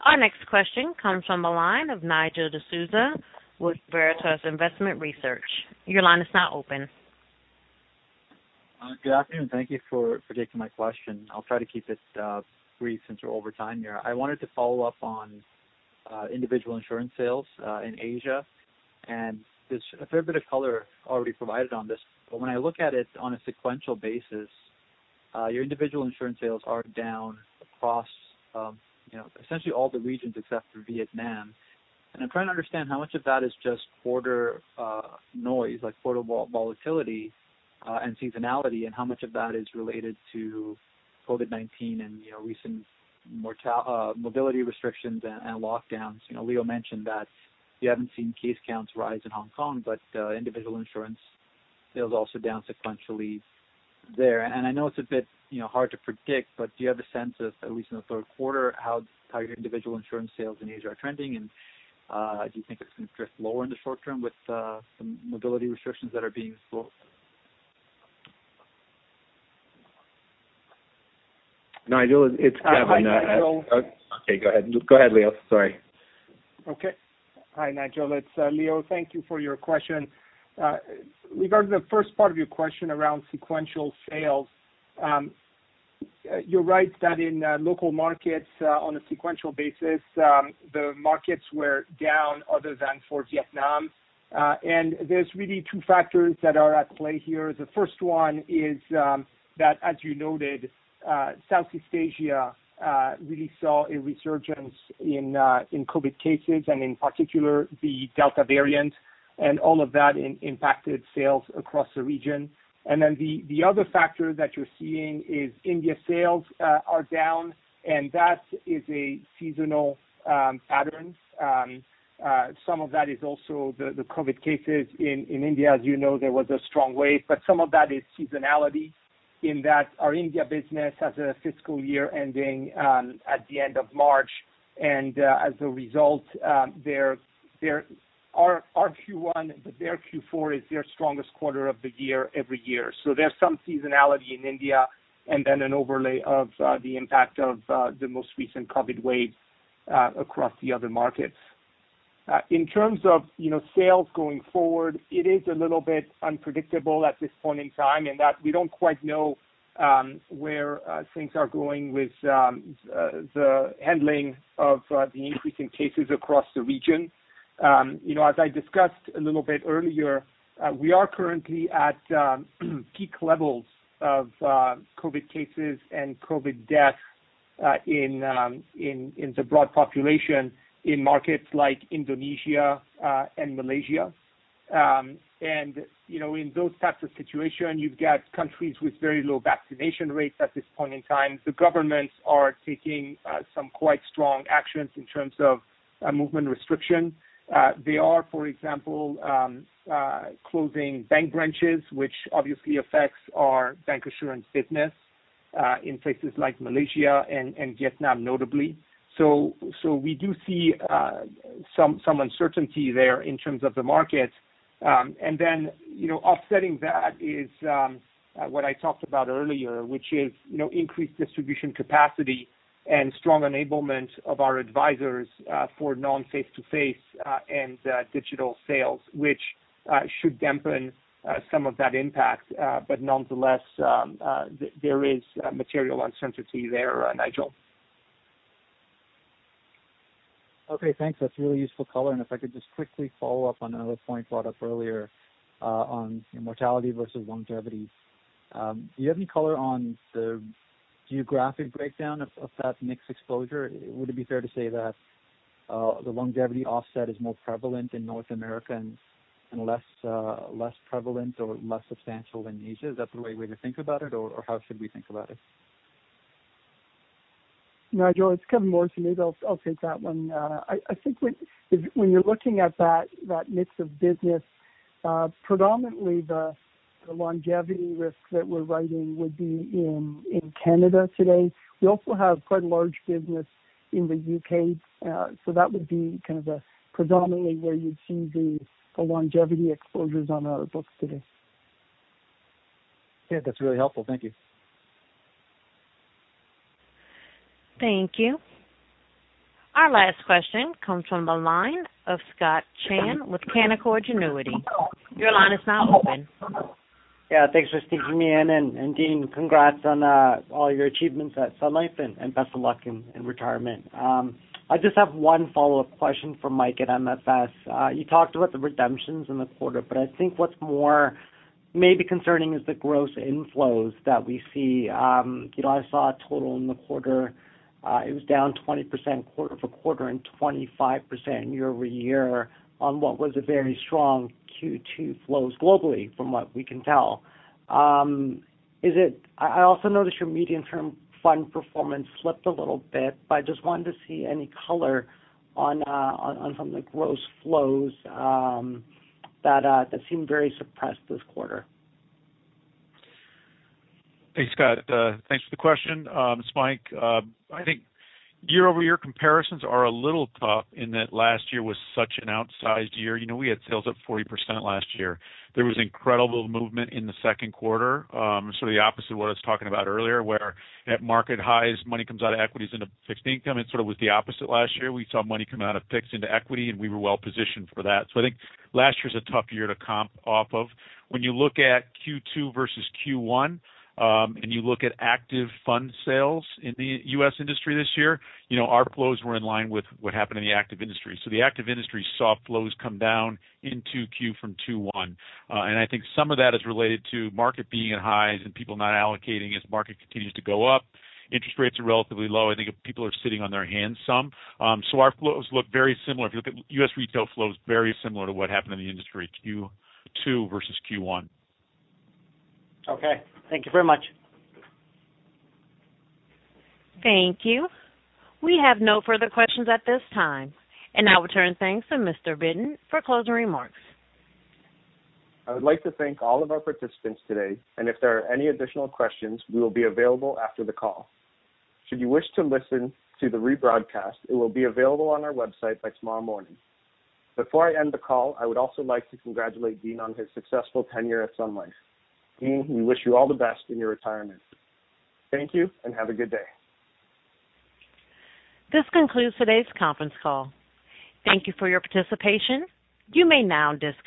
Our next question comes from the line of Nigel D'Souza with Veritas Investment Research. Your line is now open.
Good afternoon. Thank you for taking my question. I'll try to keep it brief since we're over time here. I wanted to follow up on individual insurance sales in Asia. There's a fair bit of color already provided on this. When I look at it on a sequential basis, your individual insurance sales are down across essentially all the regions except for Vietnam. I'm trying to understand how much of that is just quarter noise, like quarter volatility and seasonality, and how much of that is related to COVID-19 and recent mobility restrictions and lockdowns. Leo mentioned that you haven't seen case counts rise in Hong Kong. Individual insurance sales also down sequentially there. I know it's a bit hard to predict, do you have a sense of, at least in the third quarter, how your individual insurance sales in Asia are trending? Do you think it's going to drift lower in the short term with some mobility restrictions that are being slowed?
Nigel, it's Kevin.
Hi, Nigel.
Okay, go ahead, Leo. Sorry.
Okay. Hi, Nigel D'Souza, it's Leo. Thank you for your question. Regarding the first part of your question around sequential sales, you're right that in local markets, on a sequential basis, the markets were down other than for Vietnam. There's really two factors that are at play here. The first one is that, as you noted, Southeast Asia really saw a resurgence in COVID-19 cases and, in particular, the Delta variant. All of that impacted sales across the region. The other factor that you're seeing is India sales are down. That is a seasonal pattern. Some of that is also the COVID-19 cases in India. As you know, there was a strong wave. Some of that is seasonality in that our India business has a fiscal year ending at the end of March. As a result, their Q4 is their strongest quarter of the year every year. There's some seasonality in India and then an overlay of the impact of the most recent COVID wave across the other markets. In terms of sales going forward, it is a little bit unpredictable at this point in time in that we don't quite know where things are going with the handling of the increasing cases across the region. As I discussed a little bit earlier, we are currently at peak levels of COVID cases and COVID deaths in the broad population in markets like Indonesia and Malaysia. In those types of situations, you've got countries with very low vaccination rates at this point in time. The governments are taking some quite strong actions in terms of movement restriction. They are, for example, closing bank branches, which obviously affects our bancassurance business in places like Malaysia and Vietnam notably. We do see some uncertainty there in terms of the markets. Then offsetting that is what I talked about earlier, which is increased distribution capacity and strong enablement of our advisors for non-face-to-face and digital sales, which should dampen some of that impact. Nonetheless, there is material uncertainty there, Nigel.
Okay, thanks. That's really useful color. If I could just quickly follow up on another point brought up earlier on mortality versus longevity. Do you have any color on the geographic breakdown of that mixed exposure? Would it be fair to say that the longevity offset is more prevalent in North America and less prevalent or less substantial in Asia? Is that the right way to think about it, or how should we think about it?
Nigel, it's Kevin Morrissey. Maybe I'll take that one. I think when you're looking at that mix of business, predominantly the longevity risk that we're writing would be in Canada today. We also have quite a large business in the U.K., so that would be kind of predominantly where you'd see the longevity exposures on our books today.
That's really helpful. Thank you.
Thank you. Our last question comes from the line of Scott Chan with Canaccord Genuity. Your line is now open.
Yeah, thanks for sneaking me in. Dean, congrats on all your achievements at Sun Life, and best of luck in retirement. I just have one follow-up question for Mike at MFS. You talked about the redemptions in the quarter, I think what's more maybe concerning is the gross inflows that we see. I saw a total in the quarter. It was down 20% QoQ and 25% YoY on what was a very strong Q2 flows globally from what we can tell. I also noticed your medium-term fund performance slipped a little bit, I just wanted to see any color on some of the gross flows that seemed very suppressed this quarter.
Hey, Scott. Thanks for the question. It's Mike. I think YoY comparisons are a little tough in that last year was such an outsized year. We had sales up 40% last year. There was incredible movement in the second quarter. Sort of the opposite of what I was talking about earlier, where at market highs, money comes out of equities into fixed income. It sort of was the opposite last year. We saw money come out of fixed into equity, and we were well-positioned for that. I think last year's a tough year to comp off of. When you look at Q2 versus Q1, and you look at active fund sales in the U.S. industry this year, our flows were in line with what happened in the active industry. The active industry saw flows come down into Q2 from Q1. I think some of that is related to market being at highs and people not allocating as the market continues to go up. Interest rates are relatively low. I think people are sitting on their hands some. Our flows look very similar. If you look at U.S. retail flows, very similar to what happened in the industry Q2 versus Q1.
Okay. Thank you very much.
Thank you. We have no further questions at this time. I will turn things to Mr. Bitton for closing remarks.
I would like to thank all of our participants today, and if there are any additional questions, we will be available after the call. Should you wish to listen to the rebroadcast, it will be available on our website by tomorrow morning. Before I end the call, I would also like to congratulate Dean on his successful tenure at Sun Life. Dean, we wish you all the best in your retirement. Thank you and have a good day.
This concludes today's conference call. Thank you for your participation. You may now disconnect.